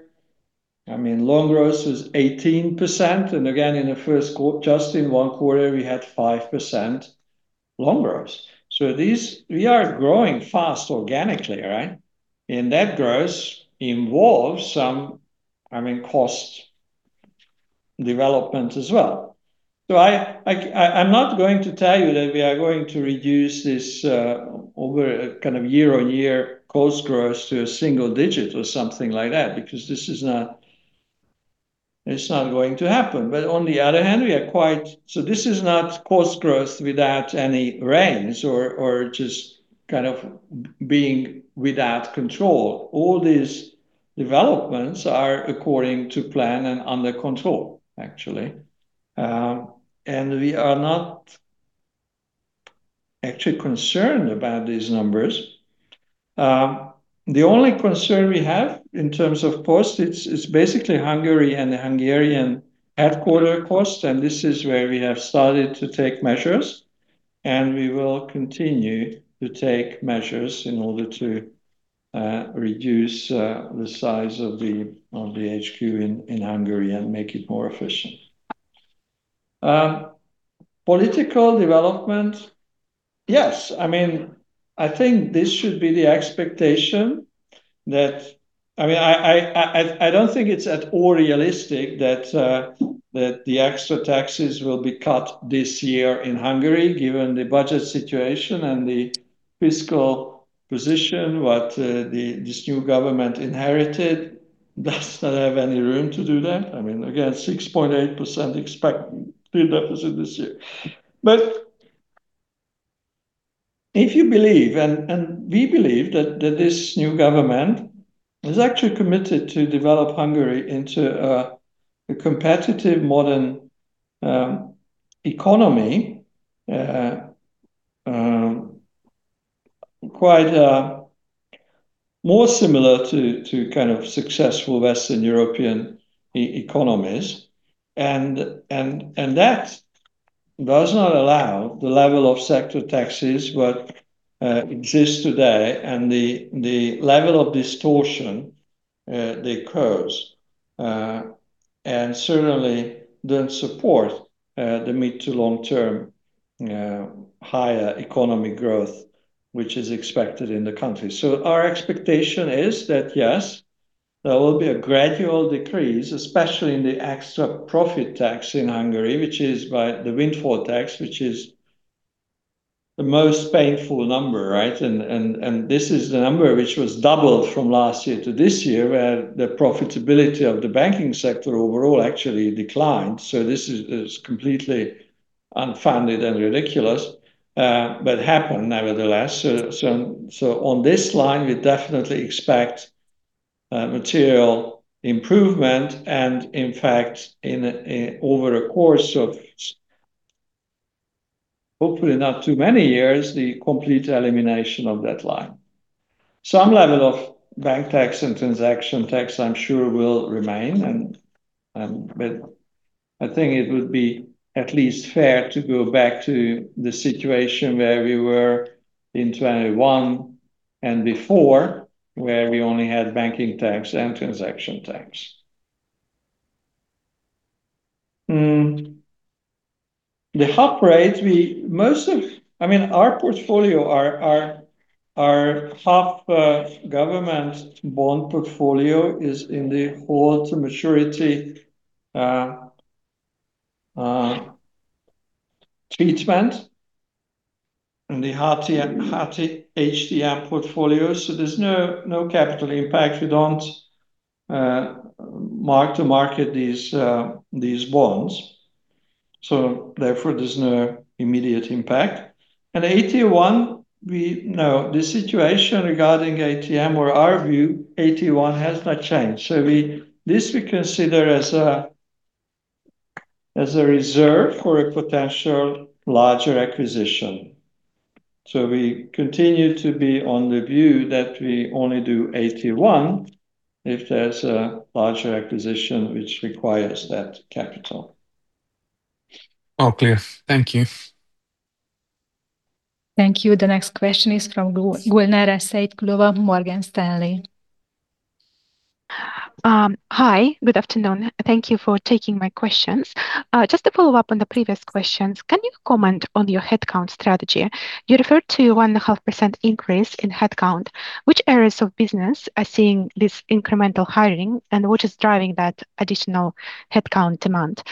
I mean, loan growth is 18%. Again, in the first quarter, just in one quarter, we had 5% loan growth. These, we are growing fast organically, right? That growth involves some, I mean, cost development as well. I'm not going to tell you that we are going to reduce this over a kind of year-over-year cost growth to a 1-digit or something like that because it's not going to happen. On the other hand, this is not cost growth without any reins or just kind of being without control. All these developments are according to plan and under control actually. We are not actually concerned about these numbers. The only concern we have in terms of cost, it's basically Hungary and the Hungarian headquarter costs, and this is where we have started to take measures, and we will continue to take measures in order to reduce the size of the HQ in Hungary and make it more efficient. Political developments. Yes. I mean, I don't think it's at all realistic that the extra taxes will be cut this year in Hungary given the budget situation and the fiscal position what the this new government inherited does not have any room to do that. I mean, again, 6.8% expected fiscal deficit this year. If you believe, and we believe that this new government is actually committed to develop Hungary into a competitive modern economy, quite more similar to kind of successful Western European economies. That does not allow the level of sector taxes what exists today and the level of distortion they cause and certainly don't support the mid to long term higher economy growth which is expected in the country. Our expectation is that, yes, there will be a gradual decrease, especially in the extra profit tax in Hungary, which is by the windfall tax, which is the most painful number, right? This is the number which was doubled from last year to this year where the profitability of the banking sector overall actually declined. This is completely unfounded and ridiculous, but happened nevertheless. On this line we definitely expect material improvement and in fact over a course of hopefully not too many years, the complete elimination of that line. Some level of banking tax and transaction tax I'm sure will remain and, but I think it would be at least fair to go back to the situation where we were in 2021 and before where we only had banking tax and transaction tax. The HUF rates we most of I mean our portfolio our HUF government bond portfolio is in the hold to maturity treatment in the FVOCI and HTM portfolio. There's no capital impact. We don't mark to market these bonds, therefore there's no immediate impact. AT1 we know the situation regarding AT1 or our view AT1 has not changed. We consider as a reserve for a potential larger acquisition. We continue to be on the view that we only do AT1 if there's a larger acquisition which requires that capital. All clear. Thank you. Thank you. The next question is from Gulnara Saitkulova, Morgan Stanley. Hi, good afternoon. Thank you for taking my questions. Just to follow up on the previous questions, can you comment on your headcount strategy? You referred to 1.5% increase in headcount. Which areas of business are seeing this incremental hiring, and what is driving that additional headcount demand?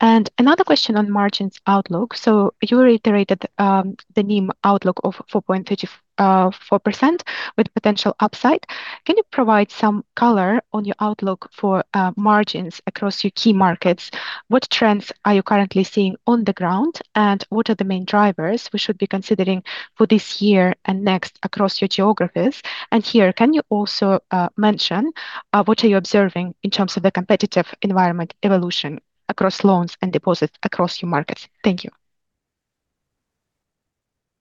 Another question on margins outlook. You reiterated the NIM outlook of 4.34% with potential upside. Can you provide some color on your outlook for margins across your key markets? What trends are you currently seeing on the ground, and what are the main drivers we should be considering for this year and next across your geographies? Here, can you also mention what are you observing in terms of the competitive environment evolution across loans and deposits across your markets? Thank you.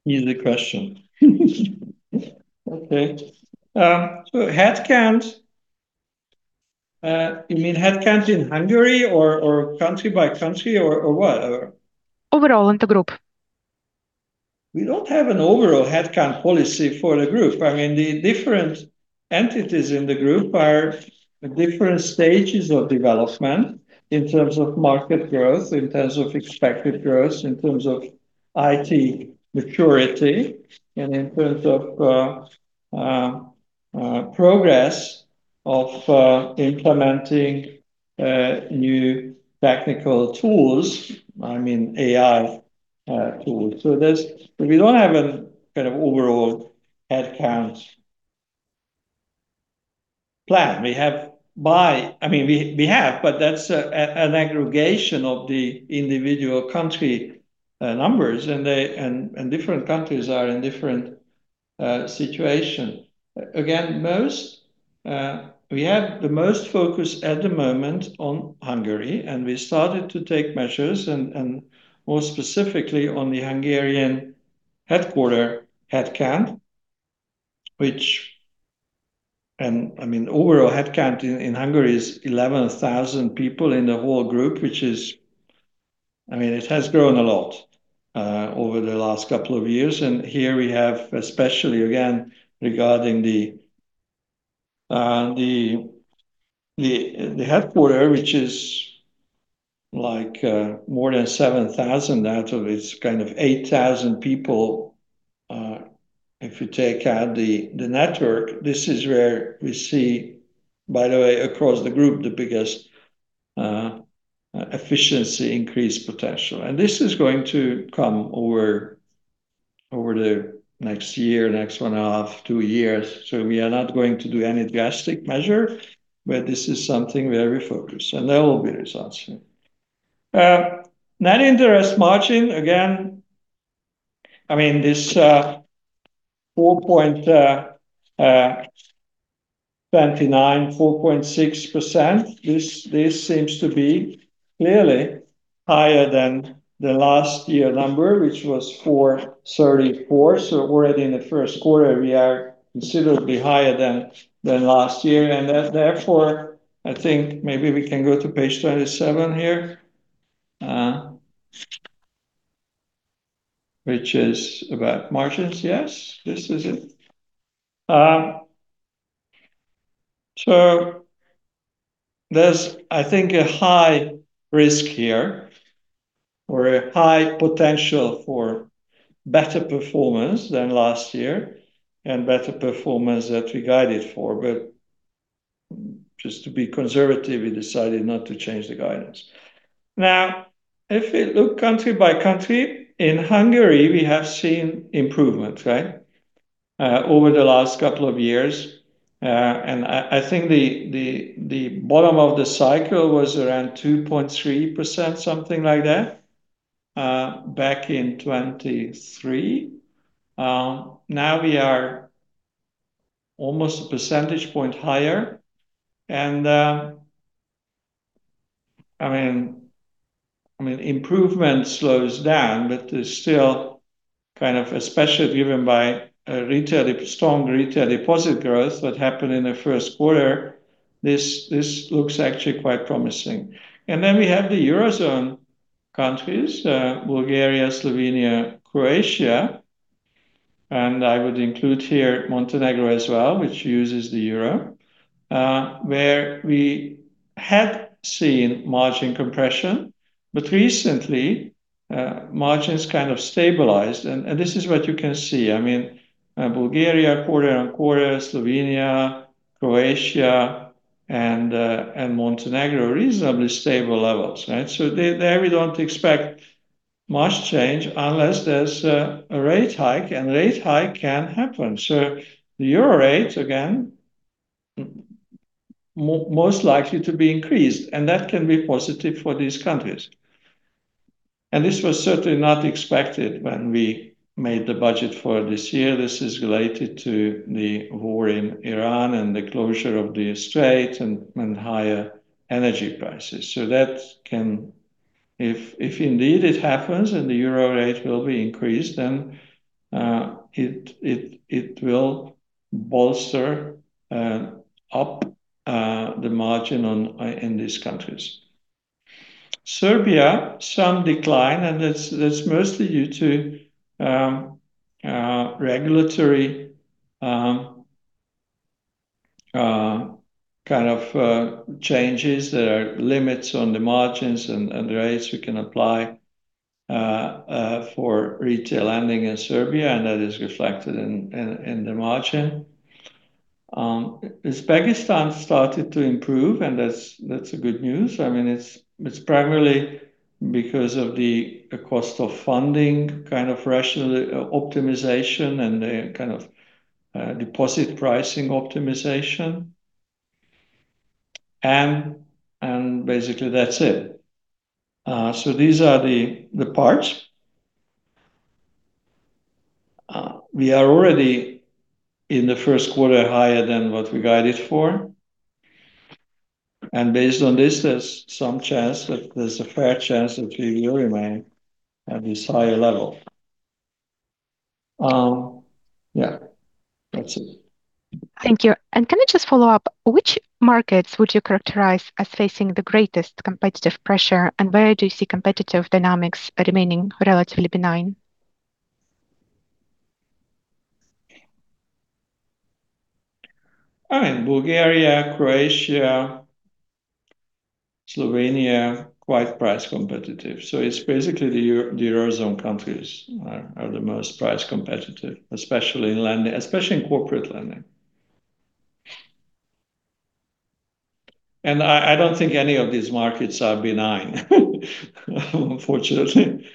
Easy question. Okay. Headcount, you mean headcount in Hungary or country by country or what or? Overall in the group. We don't have an overall headcount policy for the group. I mean, the different entities in the group are at different stages of development in terms of market growth, in terms of expected growth, in terms of IT maturity, and in terms of progress of implementing new technical tools, I mean AI tools. We don't have a kind of overall headcount plan. I mean we have, but that's an aggregation of the individual country numbers, and different countries are in different situation. Again, most, we have the most focus at the moment on Hungary, we started to take measures and more specifically on the Hungarian headquarter headcount, which I mean, overall headcount in Hungary is 11,000 people in the whole group, which is I mean, it has grown a lot over the last couple of years. Here we have especially again regarding the headquarter, which is like more than 7,000 out of its kind of 8,000 people, if you take out the network, this is where we see, by the way, across the group, the biggest efficiency increase potential. This is going to come over the next year, next 1.5, 2 years. We are not going to do any drastic measure, but this is something where we focus, and there will be results here. Net interest margin, again, I mean, this 4.29, 4.6%, this seems to be clearly higher than the last year number, which was 4.34. Already in the first quarter we are considerably higher than last year. Therefore, I think maybe we can go to page 27 here, which is about margins. Yes, this is it. There's I think a high risk here or a high potential for better performance than last year and better performance that we guided for. Just to be conservative, we decided not to change the guidance. If we look country by country, in Hungary we have seen improvements, right, over the last couple of years. I think the bottom of the cycle was around 2.3%, something like that, back in 2023. Now we are almost 1 percentage point higher. I mean, improvement slows down, but there's still kind of especially driven by strong retail deposit growth that happened in the first quarter. This looks actually quite promising. We have the Eurozone countries, Bulgaria, Slovenia, Croatia, and I would include here Montenegro as well, which uses the euro, where we had seen margin compression. Recently, margins kind of stabilized. This is what you can see. I mean, Bulgaria quarter-on-quarter, Slovenia, Croatia, and Montenegro reasonably stable levels, right? There we don't expect much change unless there's a rate hike. Rate hike can happen. The euro rate again most likely to be increased. That can be positive for these countries. This was certainly not expected when we made the budget for this year. This is related to the war in Iran and the closure of the Strait and higher energy prices. That can If indeed it happens the euro rate will be increased, it will bolster up the margin in these countries. Serbia, some decline, that's mostly due to regulatory kind of changes. There are limits on the margins and rates we can apply for retail lending in Serbia, and that is reflected in the margin. Uzbekistan started to improve, and that's a good news. I mean, it's primarily because of the cost of funding kind of optimization and the kind of deposit pricing optimization. Basically that's it. These are the parts. We are already in the first quarter higher than what we guided for. Based on this, there's some chance that there's a fair chance that we will remain at this higher level. Yeah. That's it. Thank you. Can I just follow up, which markets would you characterize as facing the greatest competitive pressure, and where do you see competitive dynamics remaining relatively benign? I mean, Bulgaria, Croatia, Slovenia, quite price competitive. It's basically the Eurozone countries are the most price competitive, especially in lending, especially in corporate lending. I don't think any of these markets are benign unfortunately.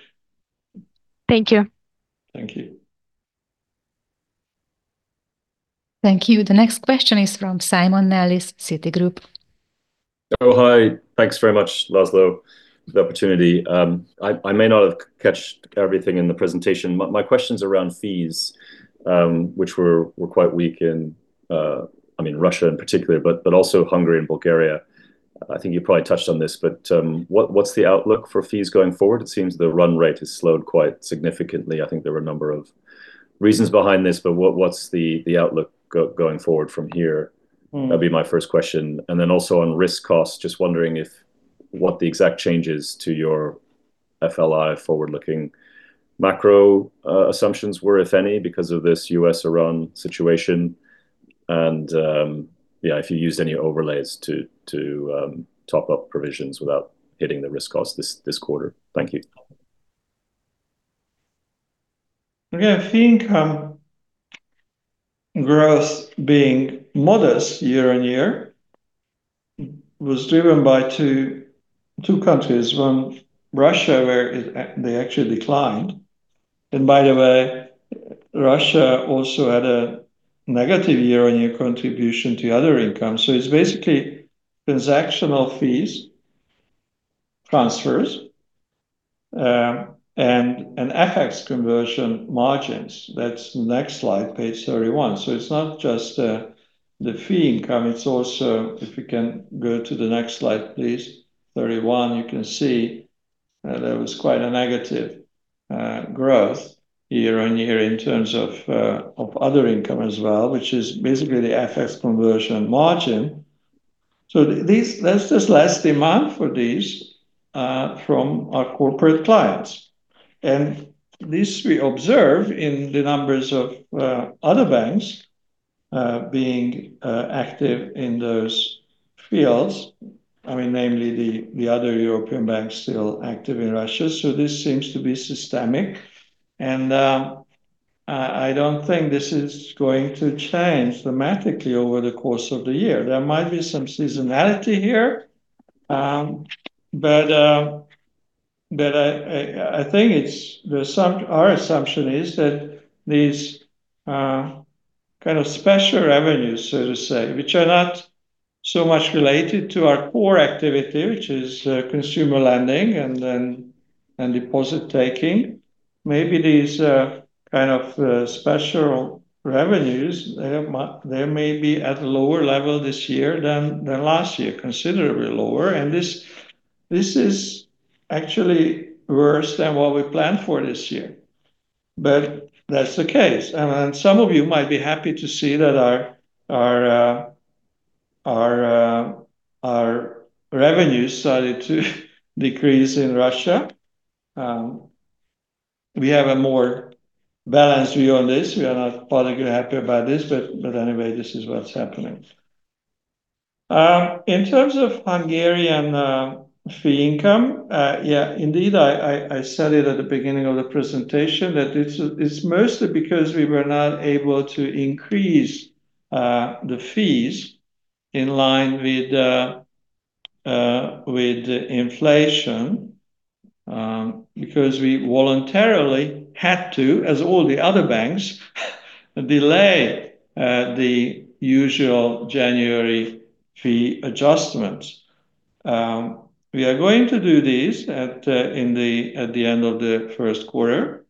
Thank you. Thank you. Thank you. The next question is from Simon Nellis, Citigroup. Thanks very much, László, for the opportunity. I may not have caught everything in the presentation. My question's around fees, which were quite weak in, I mean, Russia in particular, but also Hungary and Bulgaria. I think you probably touched on this. What's the outlook for fees going forward? It seems the run rate has slowed quite significantly. I think there are a number of reasons behind this, but what's the outlook going forward from here? That'd be my first question. Also on risk costs, just wondering if what the exact change is to your FLI forward-looking macro assumptions were, if any, because of this U.S.-Iran situation. Yeah, if you used any overlays to top up provisions without hitting the risk cost this quarter. Thank you. Okay. I think growth being modest year-on-year was driven by 2 countries. One, Russia where they actually declined. By the way, Russia also had a negative year-on-year contribution to other income. It's basically transactional fees, transfers, and FX conversion margins. That's the next slide, page 31. It's not just the fee income, it's also, if you can go to the next slide, please, 31, you can see that there was quite a negative growth year-on-year in terms of other income as well, which is basically the FX conversion margin. There's just less demand for these from our corporate clients. And this we observe in the numbers of other banks being active in those fields. I mean, namely the other European banks still active in Russia. This seems to be systemic and I don't think this is going to change dramatically over the course of the year. There might be some seasonality here, but I think our assumption is that these kind of special revenues, so to say, which are not so much related to our core activity, which is consumer lending and then, and deposit taking, may be at a lower level this year than last year, considerably lower, and this is actually worse than what we planned for this year. That's the case. Some of you might be happy to see that our revenues started to decrease in Russia. We have a more balanced view on this. We are not particularly happy about this, but anyway, this is what's happening. In terms of Hungarian fee income, yeah, indeed, I said it at the beginning of the presentation that it's mostly because we were not able to increase the fees in line with inflation, because we voluntarily had to, as all the other banks, delay the usual January fee adjustments. We are going to do this at the end of the first quarter.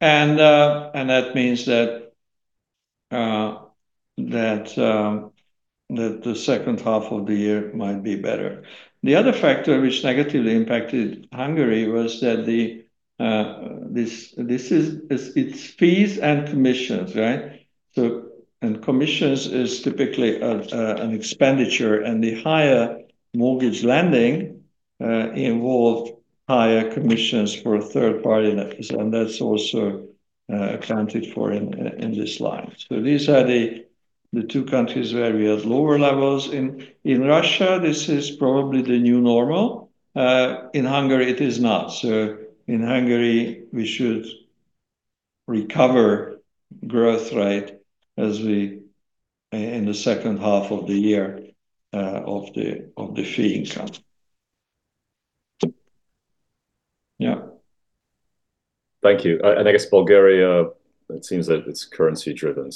That means that the second half of the year might be better. The other factor which negatively impacted Hungary was that it's fees and commissions, right? Commissions is typically an expenditure, and the higher mortgage lending involved higher commissions for a third party, and that's also accounted for in this line. These are the two countries where we had lower levels. In Russia, this is probably the new normal. In Hungary it is not. In Hungary we should recover growth rate as we in the second half of the year of the fee income. Thank you. I guess Bulgaria, it seems that it's currency-driven.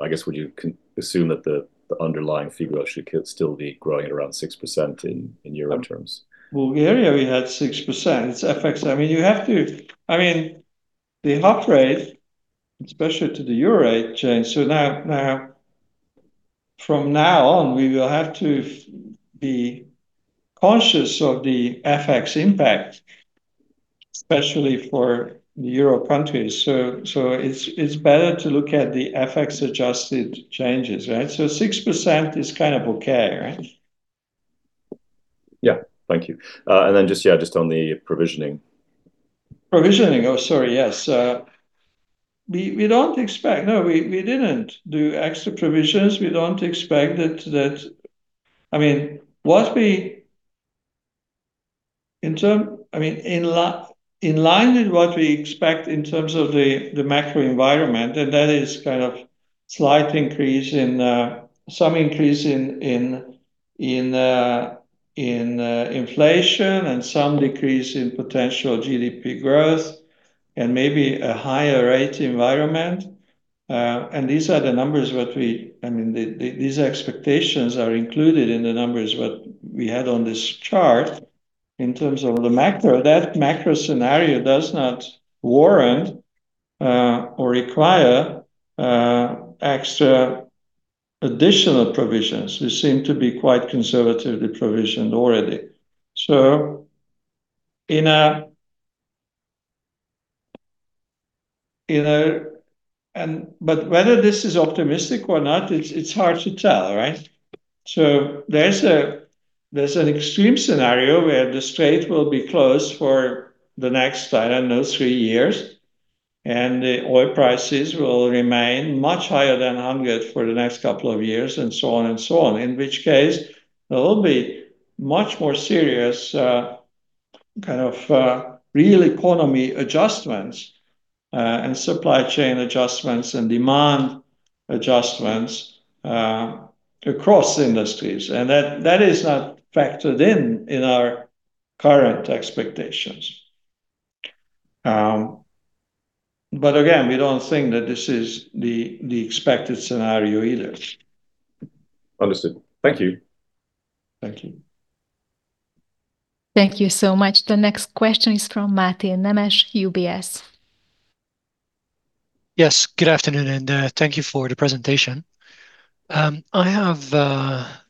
I guess would you assume that the underlying fee will actually still be growing at around 6% in euro terms? Bulgaria we had 6%. It's FX. I mean, you have to I mean, the HUF rate especially to the euro rate changed. Now, now from now on we will have to be conscious of the FX impact, especially for the euro countries. It's, it's better to look at the FX-adjusted changes, right? 6% is kind of okay, right? Yeah. Thank you. Then just on the provisioning. Provisioning. Oh, sorry, yes. We didn't do extra provisions. We don't expect that, I mean, what we, I mean, in line with what we expect in terms of the macro environment, and that is kind of slight increase in some increase in inflation and some decrease in potential GDP growth and maybe a higher rate environment. These are the numbers what we, I mean, these expectations are included in the numbers what we had on this chart in terms of the macro. That macro scenario does not warrant or require extra additional provisions. We seem to be quite conservatively provisioned already. You know, whether this is optimistic or not, it's hard to tell, right? There's a, there's an extreme scenario where the strait will be closed for the next, I don't know, 3 years, and the oil prices will remain much higher than 100 for the next couple of years, and so on and so on. In which case there will be much more serious, kind of, real economy adjustments, and supply chain adjustments and demand adjustments, across industries. That, that is not factored in in our current expectations. Again, we don't think that this is the expected scenario either. Understood. Thank you. Thank you. Thank you so much. The next question is from Máté Nemes, UBS. Good afternoon, thank you for the presentation. I have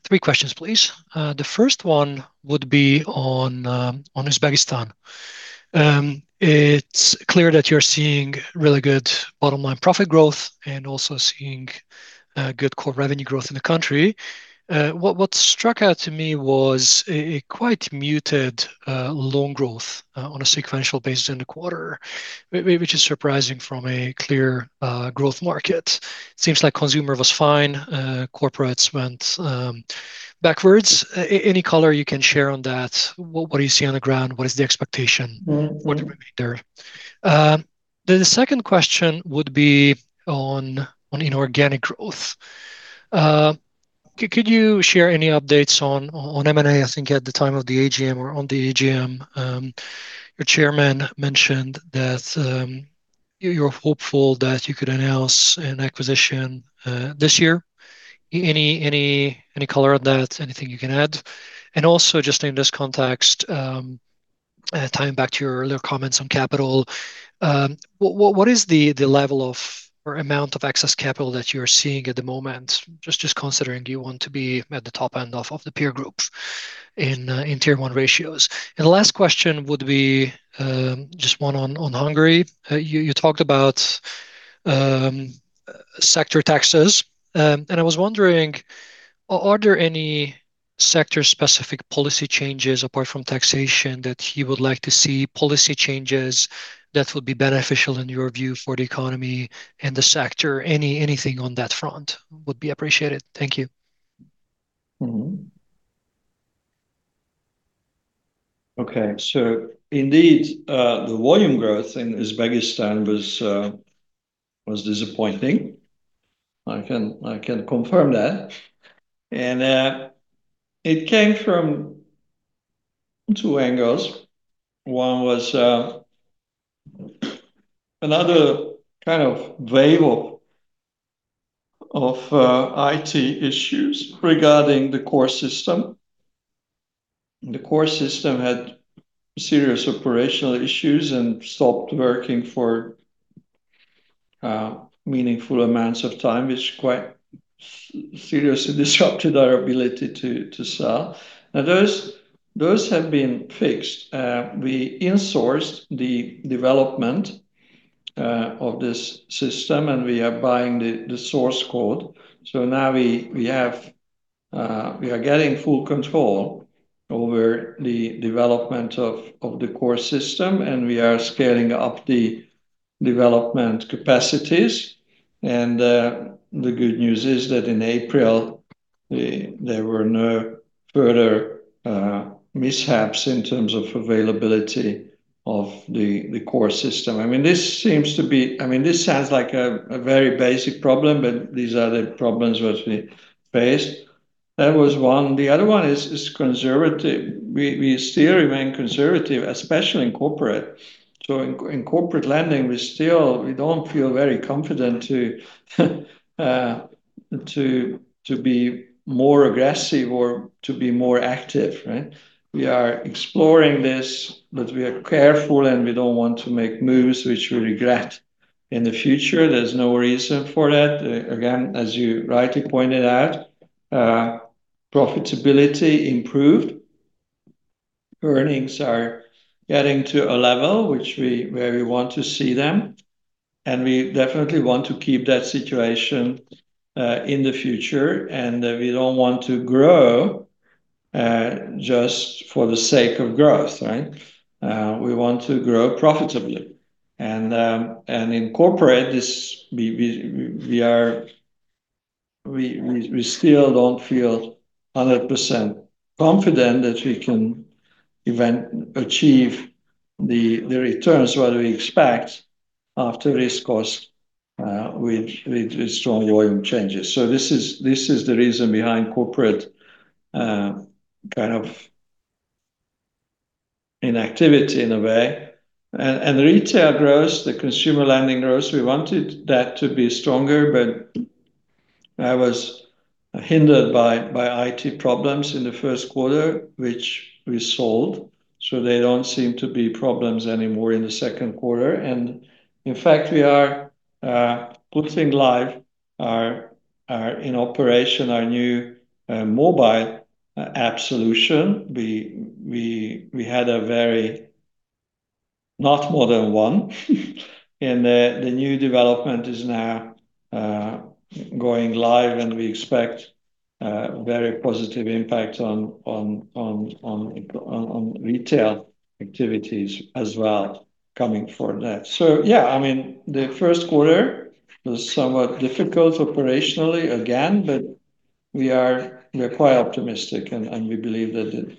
3 questions please. The first one would be on Uzbekistan. It's clear that you're seeing really good bottom line profit growth and also seeing good core revenue growth in the country. What struck out to me was a quite muted loan growth on a sequential basis in the quarter, which is surprising from a clear growth market. Seems like consumer was fine. Corporates went backwards. Any color you can share on that. What do you see on the ground? What is the expectation? For the remainder? The second question would be on inorganic growth. Could you share any updates on M&A? I think at the time of the AGM or on the AGM, your chairman mentioned that you're hopeful that you could announce an acquisition this year. Any color on that? Anything you can add? Also just in this context, tying back to your earlier comments on capital, what is the level of or amount of excess capital that you're seeing at the moment, just considering you want to be at the top end of the peer group in Tier 1 ratios. The last question would be just one on Hungary. You talked about sector taxes. I was wondering, are there any sector-specific policy changes apart from taxation that you would like to see policy changes that would be beneficial in your view for the economy and the sector? Anything on that front would be appreciated. Thank you. Mm-hmm. Okay. Indeed, the volume growth in Uzbekistan was disappointing. I can confirm that. It came from two angles. One was another kind of wave of IT issues regarding the core system. The core system had serious operational issues and stopped working for meaningful amounts of time, which quite seriously disrupted our ability to sell. Those have been fixed. We insourced the development of this system, and we are buying the source code. Now we are getting full control over the development of the core system, and we are scaling up the development capacities. The good news is that in April, there were no further mishaps in terms of availability of the core system. I mean, this sounds like a very basic problem, these are the problems which we faced. That was one. The other one is conservative. We still remain conservative, especially in corporate. In corporate lending, we still don't feel very confident to be more aggressive or to be more active, right? We are exploring this, we are careful, we don't want to make moves which we regret in the future. There's no reason for that. As you rightly pointed out, profitability improved. Earnings are getting to a level where we want to see them, we definitely want to keep that situation in the future. We don't want to grow just for the sake of growth, right? We want to grow profitably and in corporate this we still don't feel 100% confident that we can even achieve the returns what we expect after risk costs with strong volume changes. This is the reason behind corporate kind of inactivity in a way. Retail growth, the consumer lending growth, we wanted that to be stronger, but that was hindered by IT problems in the 1st quarter, which we solved. They don't seem to be problems anymore in the 2nd quarter. In fact, we are putting live our in operation our new mobile app solution. We had a very not more than one. The new development is now going live, and we expect a very positive impact on retail activities as well coming for that. Yeah, I mean, the first quarter was somewhat difficult operationally again, but we're quite optimistic and we believe that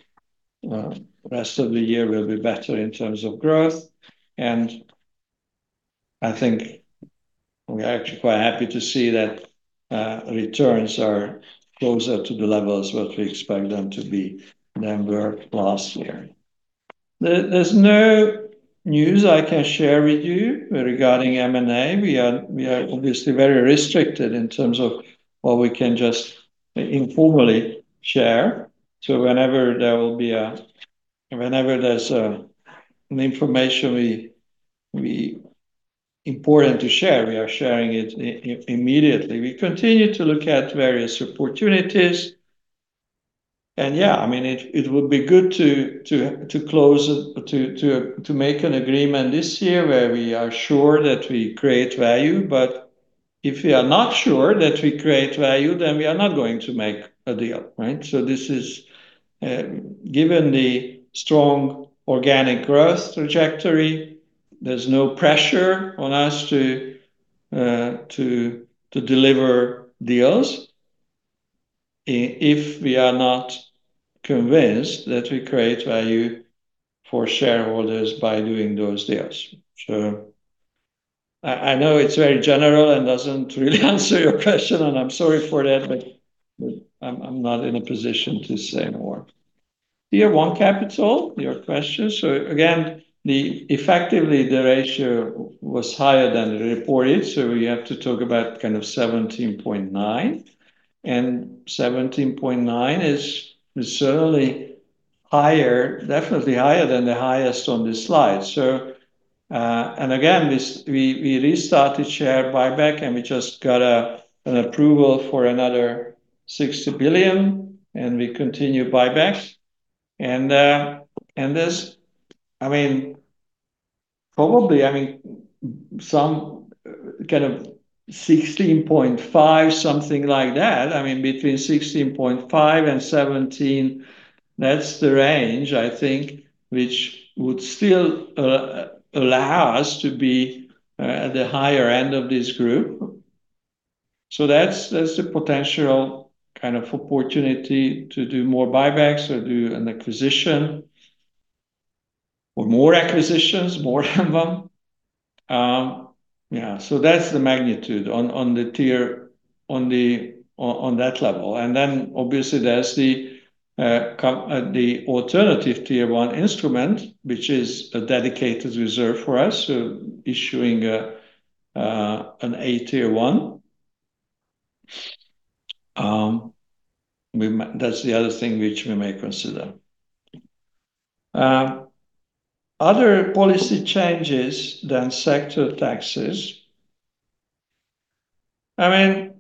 the rest of the year will be better in terms of growth. I think we're actually quite happy to see that returns are closer to the levels what we expect them to be than were last year. There's no news I can share with you regarding M&A. We are obviously very restricted in terms of what we can just informally share. Whenever there will be whenever there's an information we important to share, we are sharing it immediately. We continue to look at various opportunities. Yeah, it would be good to close it, to make an agreement this year where we are sure that we create value. If we are not sure that we create value, then we are not going to make a deal, right? This is, given the strong organic growth trajectory, there's no pressure on us to deliver deals if we are not convinced that we create value for shareholders by doing those deals. I know it's very general and doesn't really answer your question, and I'm sorry for that, but I'm not in a position to say more. Tier 1 capital, your question. Again, effectively, the ratio was higher than reported, so we have to talk about kind of 17.9. 17.9 is certainly higher, definitely higher than the highest on this slide. Again, we restarted share buyback, and we just got an approval for another 60 billion, and we continue buybacks. This I mean, probably, I mean some kind of 16.5, something like that. I mean, between 16.5-17, that's the range, I think, which would still allow us to be at the higher end of this group. That's the potential kind of opportunity to do more buybacks or do an acquisition or more acquisitions, more than one. Yeah. That's the magnitude on the tier on that level. Obviously there's the alternative Tier 1 instrument, which is a dedicated reserve for us, so issuing an AT1. That's the other thing which we may consider. Other policy changes than sector taxes. I mean,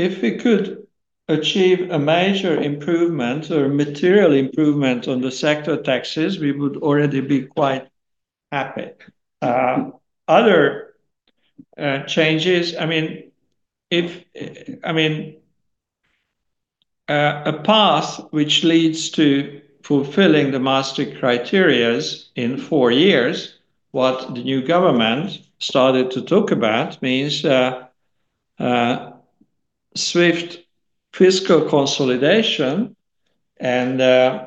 if we could achieve a major improvement or material improvement on the sector taxes, we would already be quite happy. I mean, other changes, a path which leads to fulfilling the Maastricht criteria in 4 years, what the new government started to talk about means swift fiscal consolidation and a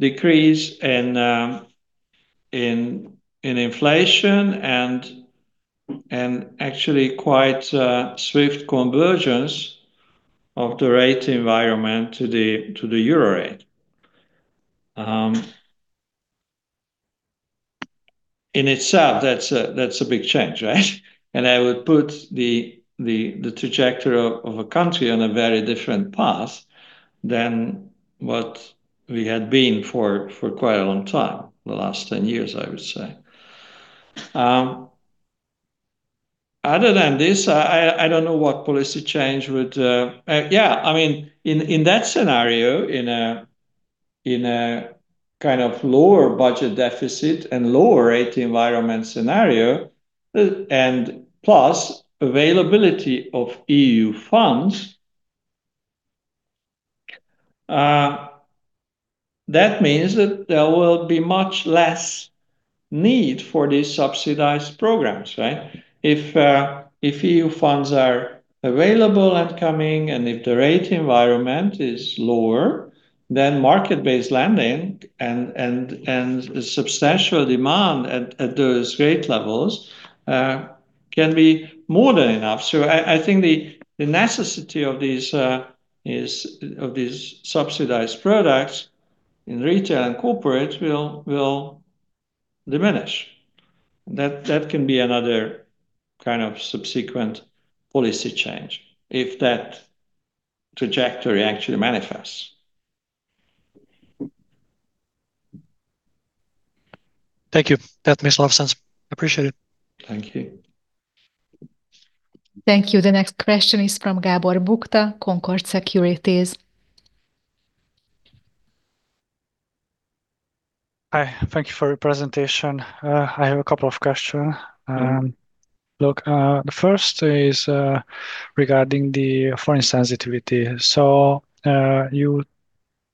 decrease in inflation and actually quite a swift convergence of the rate environment to the euro rate. In itself, that's a big change, right? I would put the trajectory of a country on a very different path than what we had been for quite a long time, the last 10 years, I would say. Other than this, I don't know what policy change would. In that scenario, in a kind of lower budget deficit and lower rate environment scenario, and plus availability of EU funds, that means that there will be much less need for these subsidized programs, right? If EU funds are available and coming, and if the rate environment is lower, then market-based lending and substantial demand at those rate levels can be more than enough. I think the necessity of these subsidized products in retail and corporate will diminish. That can be another kind of subsequent policy change if that trajectory actually manifests. Thank you. That makes a lot of sense. Appreciate it. Thank you. Thank you. The next question is from Gábor Bukta, Concorde Securities. Hi. Thank you for your presentation. I have a couple of question. Look, the first is regarding the forint sensitivity. You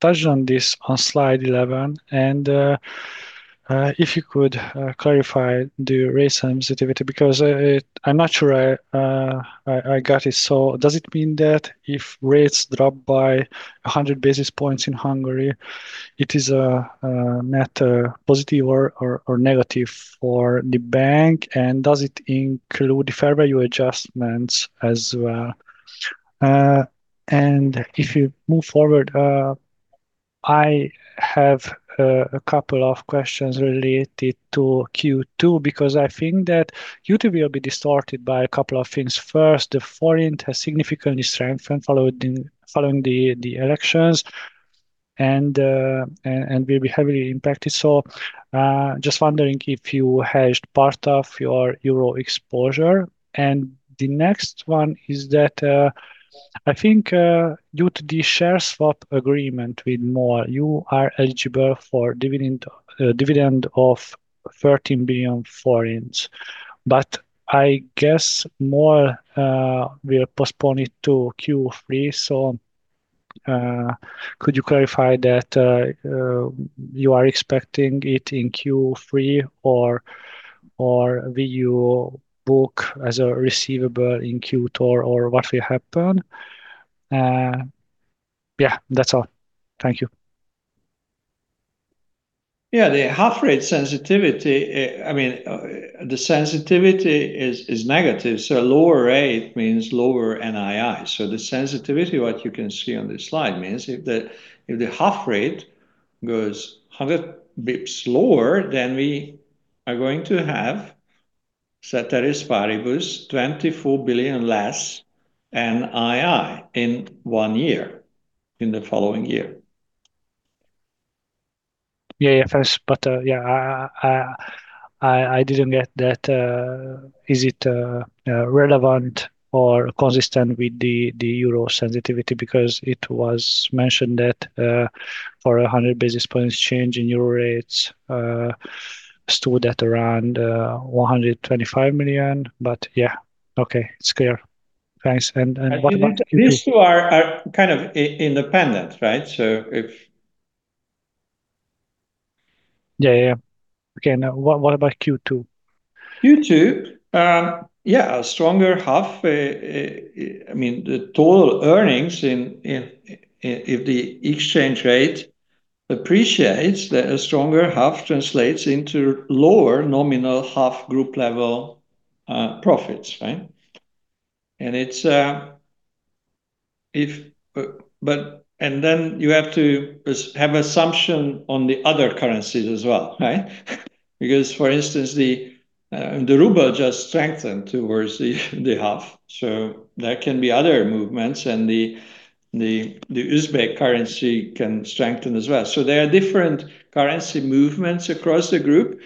touched on this on slide 11, and if you could clarify the rate sensitivity because I'm not sure I got it. Does it mean that if rates drop by 100 basis points in Hungary it is net positive or negative for the bank? Does it include the fair value adjustments as well? If you move forward, I have a couple of questions related to Q2 because I think that Q2 will be distorted by a couple of things. First, the forint has significantly strengthened following the elections and will be heavily impacted. Just wondering if you hedged part of your euro exposure. The next one is that, I think, due to the share swap agreement with MOL you are eligible for dividend of 13 billion. I guess MOL will postpone it to Q3, could you clarify that, you are expecting it in Q3 or will you book as a receivable in Q4 or what will happen? Yeah, that's all. Thank you. Yeah. The HUF rate sensitivity, I mean, the sensitivity is negative, so a lower rate means lower NII. The sensitivity what you can see on this slide means if the HUF rate goes 100 bips lower, then we are going to have, ceteris paribus, 24 billion less NII in 1 year, in the following year. Yeah. Thanks. Yeah, I didn't get that. Is it relevant or consistent with the euro sensitivity? It was mentioned that for a 100 basis points change in euro rates, stood at around 125 million. Yeah. Okay. It's clear. Thanks. What about Q2? These two are kind of independent, right? Yeah. Yeah. Okay. Now what about Q2? Q2, a stronger HUF, if the exchange rate appreciates that a stronger HUF translates into lower nominal HUF group level profits. If you have assumption on the other currencies as well. For instance, the ruble just strengthened towards the HUF. There can be other movements, and the Uzbek currency can strengthen as well. There are different currency movements across the group.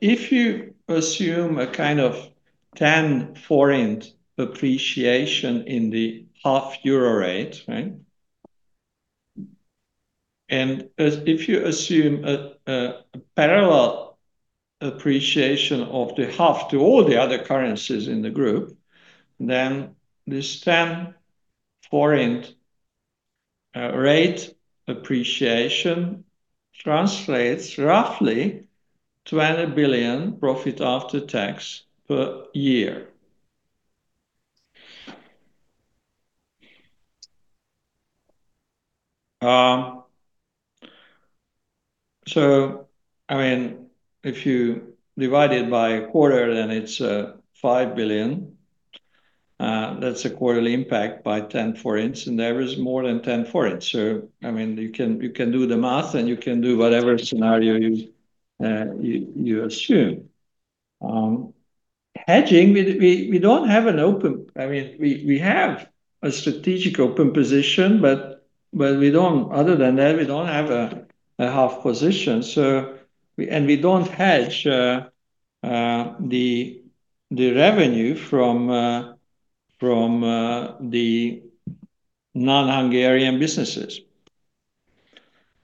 If you assume a kind of 10 forint appreciation in the HUF euro rate. If you assume a parallel appreciation of the HUF to all the other currencies in the group, then this 10 forint rate appreciation translates roughly 20 billion profit after tax per year. I mean, if you divide it by a quarter then it's 5 billion. That's a quarterly impact by 10 forints, and there is more than 10 forints. I mean, you can do the math, and you can do whatever scenario you assume. Hedging, we don't have an open I mean, we have a strategic open position, but other than that we don't have a HUF position. We don't hedge the revenue from the non-Hungarian businesses.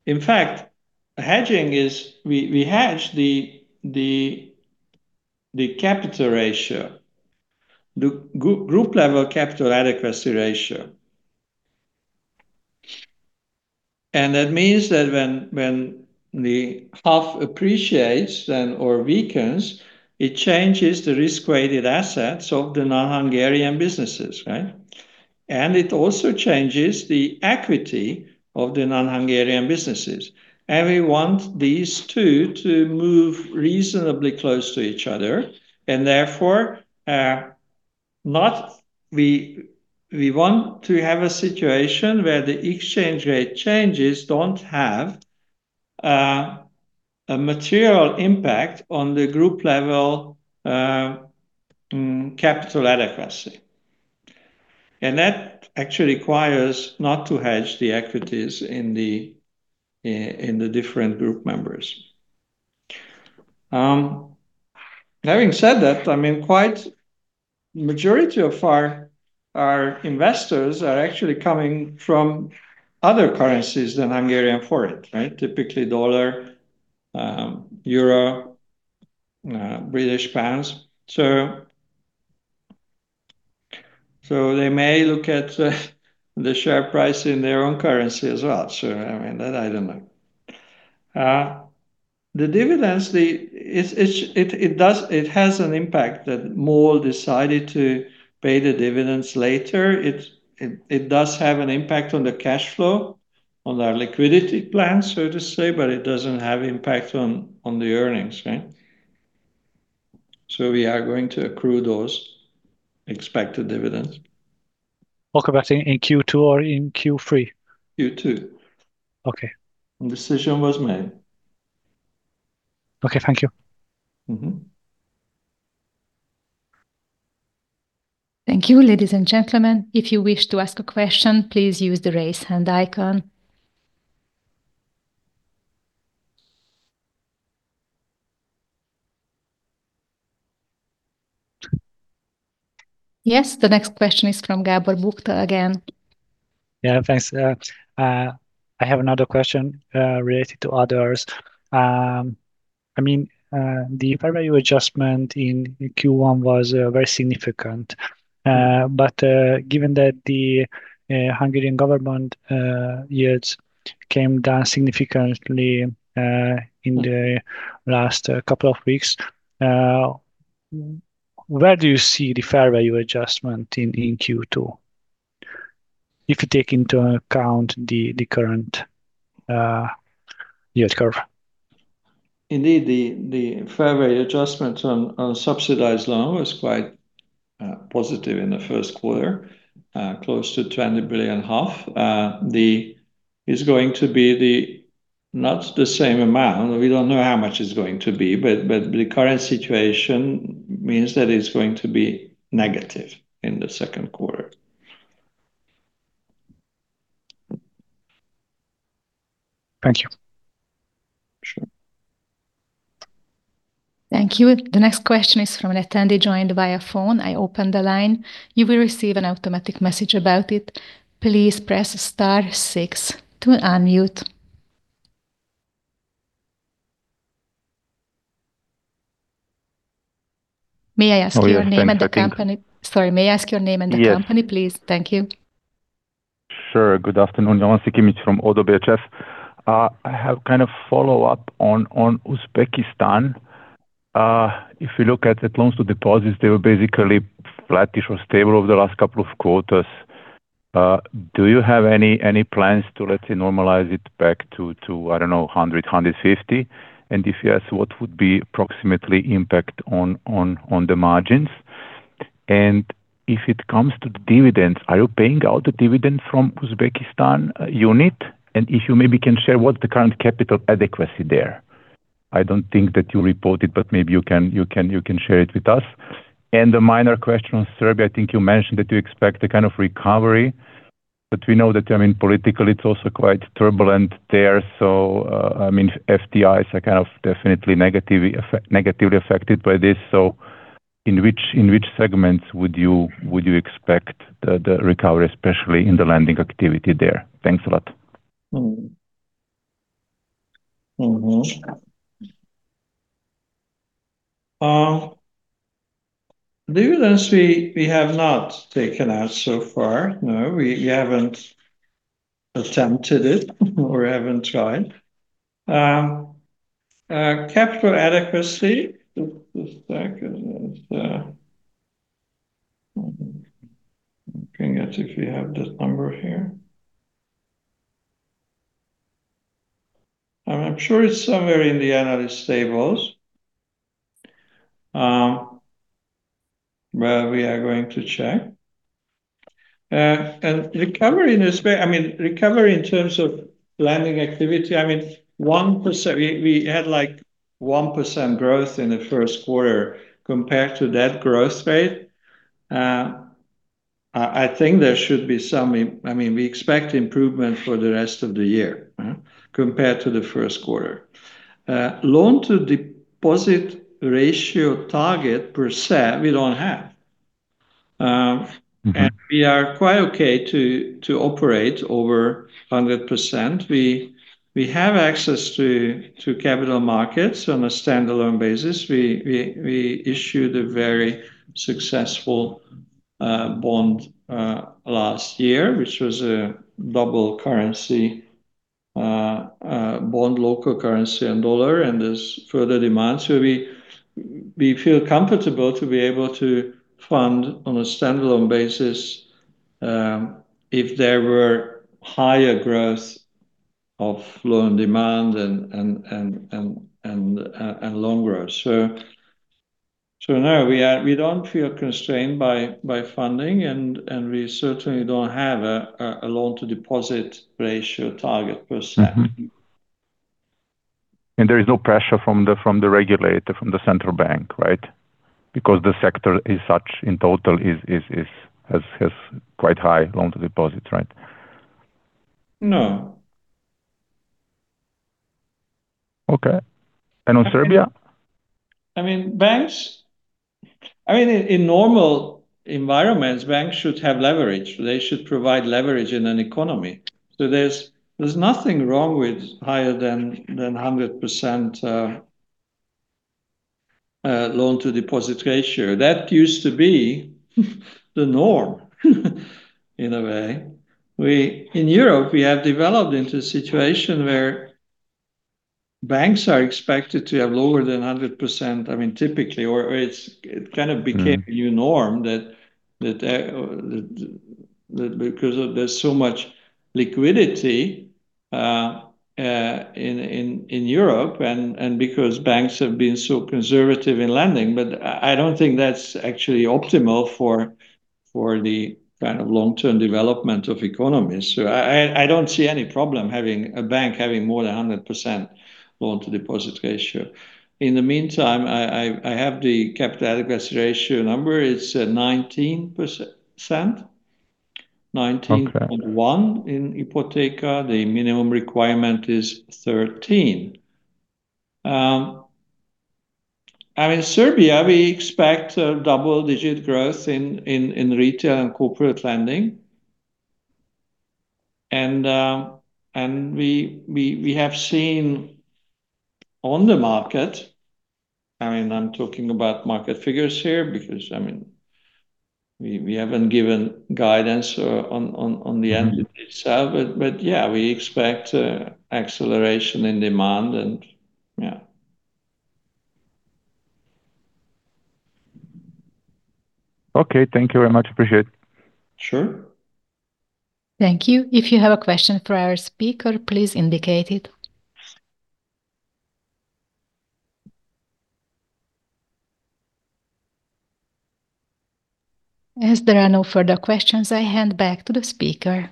In fact, hedging is we hedge the capital ratio, the group level capital adequacy ratio. That means that when the HUF appreciates then or weakens it changes the risk-weighted assets of the non-Hungarian businesses, right? It also changes the equity of the non-Hungarian businesses. We want these two to move reasonably close to each other, and therefore, we want to have a situation where the exchange rate changes don't have a material impact on the group level capital adequacy. That actually requires not to hedge the equities in the different group members. Having said that, I mean, quite majority of our investors are actually coming from other currencies than Hungarian forint, right? Typically dollar, euro, British pounds. They may look at the share price in their own currency as well. I mean, that I don't know. The dividends, it has an impact that MOL Group decided to pay the dividends later. It does have an impact on the cash flow, on our liquidity plan, so to say, but it doesn't have impact on the earnings, right? We are going to accrue those expected dividends. Okay. In Q2 or in Q3? Q2. Okay. Decision was made. Okay, thank you. Thank you. Ladies and gentlemen, if you wish to ask a question, please use the raise hand icon. The next question is from Gábor Bukta again. Yeah, thanks. I have another question related to others. I mean, the fair value adjustment in Q1 was very significant. Given that the Hungarian government yields came down significantly in the last couple of weeks, where do you see the fair value adjustment in Q2 if you take into account the current yield curve? Indeed, the fair value adjustment on subsidized loan was quite positive in the first quarter, close to 20 billion. It is going to be not the same amount. We don't know how much it is going to be, but the current situation means that it is going to be negative in the second quarter. Thank you. Sure. Thank you. The next question is from an attendee joined via phone. I open the line. You will receive an automatic message about it. Please press star six to unmute. May I ask your name? Oh yeah. Thank you. Sorry, may I ask your name and the company? Yes Please. Thank you. Sure. Good afternoon. Jovan Sikimic from ODDO BHF. I have kind of follow-up on Uzbekistan. If you look at the loans to deposits, they were basically flat-ish or stable over the last couple of quarters. Do you have any plans to, let's say, normalize it back to, I don't know, 100, 150? If yes, what would be approximately impact on the margins? If it comes to the dividends, are you paying out the dividend from Uzbekistan unit? If you maybe can share what the current capital adequacy there. I don't think that you report it, but maybe you can share it with us. A minor question on Serbia, I think you mentioned that you expect a kind of recovery, but we know that, I mean, politically, it's also quite turbulent there. I mean, FDIs are kind of definitely negatively affected by this. In which segments would you expect the recovery, especially in the lending activity there? Thanks a lot. Dividends we have not taken out so far. No, we haven't attempted it or haven't tried. Capital adequacy, just a second. Looking at if we have this number here. I'm sure it's somewhere in the analyst tables, we are going to check. Recovery in terms of lending activity, I mean, 1%. We had like 1% growth in the first quarter. Compared to that growth rate, I think there should be some, I mean, we expect improvement for the rest of the year, huh, compared to the first quarter. Loan-to-deposit ratio target per se, we don't have. We are quite okay to operate over 100%. We issued a very successful bond last year, which was a double currency bond local currency and dollar, and there's further demand. We feel comfortable to be able to fund on a standalone basis, if there were higher growth of loan demand and loan growth. No, we don't feel constrained by funding and we certainly don't have a loan to deposit ratio target per se. There is no pressure from the regulator, from the central bank, right? Because the sector is such in total has quite high loan to deposit, right? No. Okay. On Serbia? I mean, banks. I mean, in normal environments, banks should have leverage. They should provide leverage in an economy. There's nothing wrong with higher than 100% loan-to-deposit ratio. That used to be the norm in a way. In Europe, we have developed into a situation where banks are expected to have lower than 100%, I mean, typically, or it kind of became. a new norm that because of there's so much liquidity in Europe and because banks have been so conservative in lending. I don't think that's actually optimal for the kind of long-term development of economies. I don't see any problem having a bank having more than a 100% loan-to-deposit ratio. In the meantime, I have the capital adequacy ratio number. It's 19%. Okay 19.1 In Ipoteka. The minimum requirement is 13. In Serbia we expect a double-digit growth in retail and corporate lending. We have seen on the market, I mean, I'm talking about market figures here because, I mean, we haven't given guidance on the entity itself. Yeah, we expect acceleration in demand. Okay. Thank you very much. Appreciate it. Sure. Thank you. If you have a question for our speaker, please indicate it. As there are no further questions, I hand back to the speaker.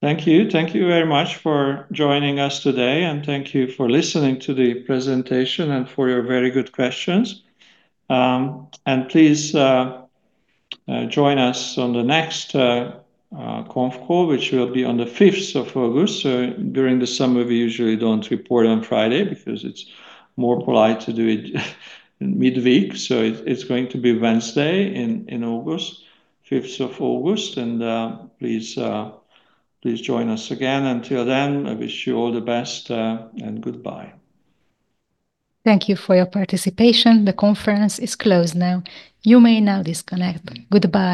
Thank you. Thank you very much for joining us today, and thank you for listening to the presentation and for your very good questions. Please join us on the next conf call, which will be on the 5th of August. During the summer we usually don't report on Friday because it's more polite to do it in midweek. It's going to be Wednesday in August, 5th of August. Please join us again. Until then, I wish you all the best, and goodbye. Thank you for your participation. The conference is closed now. You may now disconnect. Goodbye.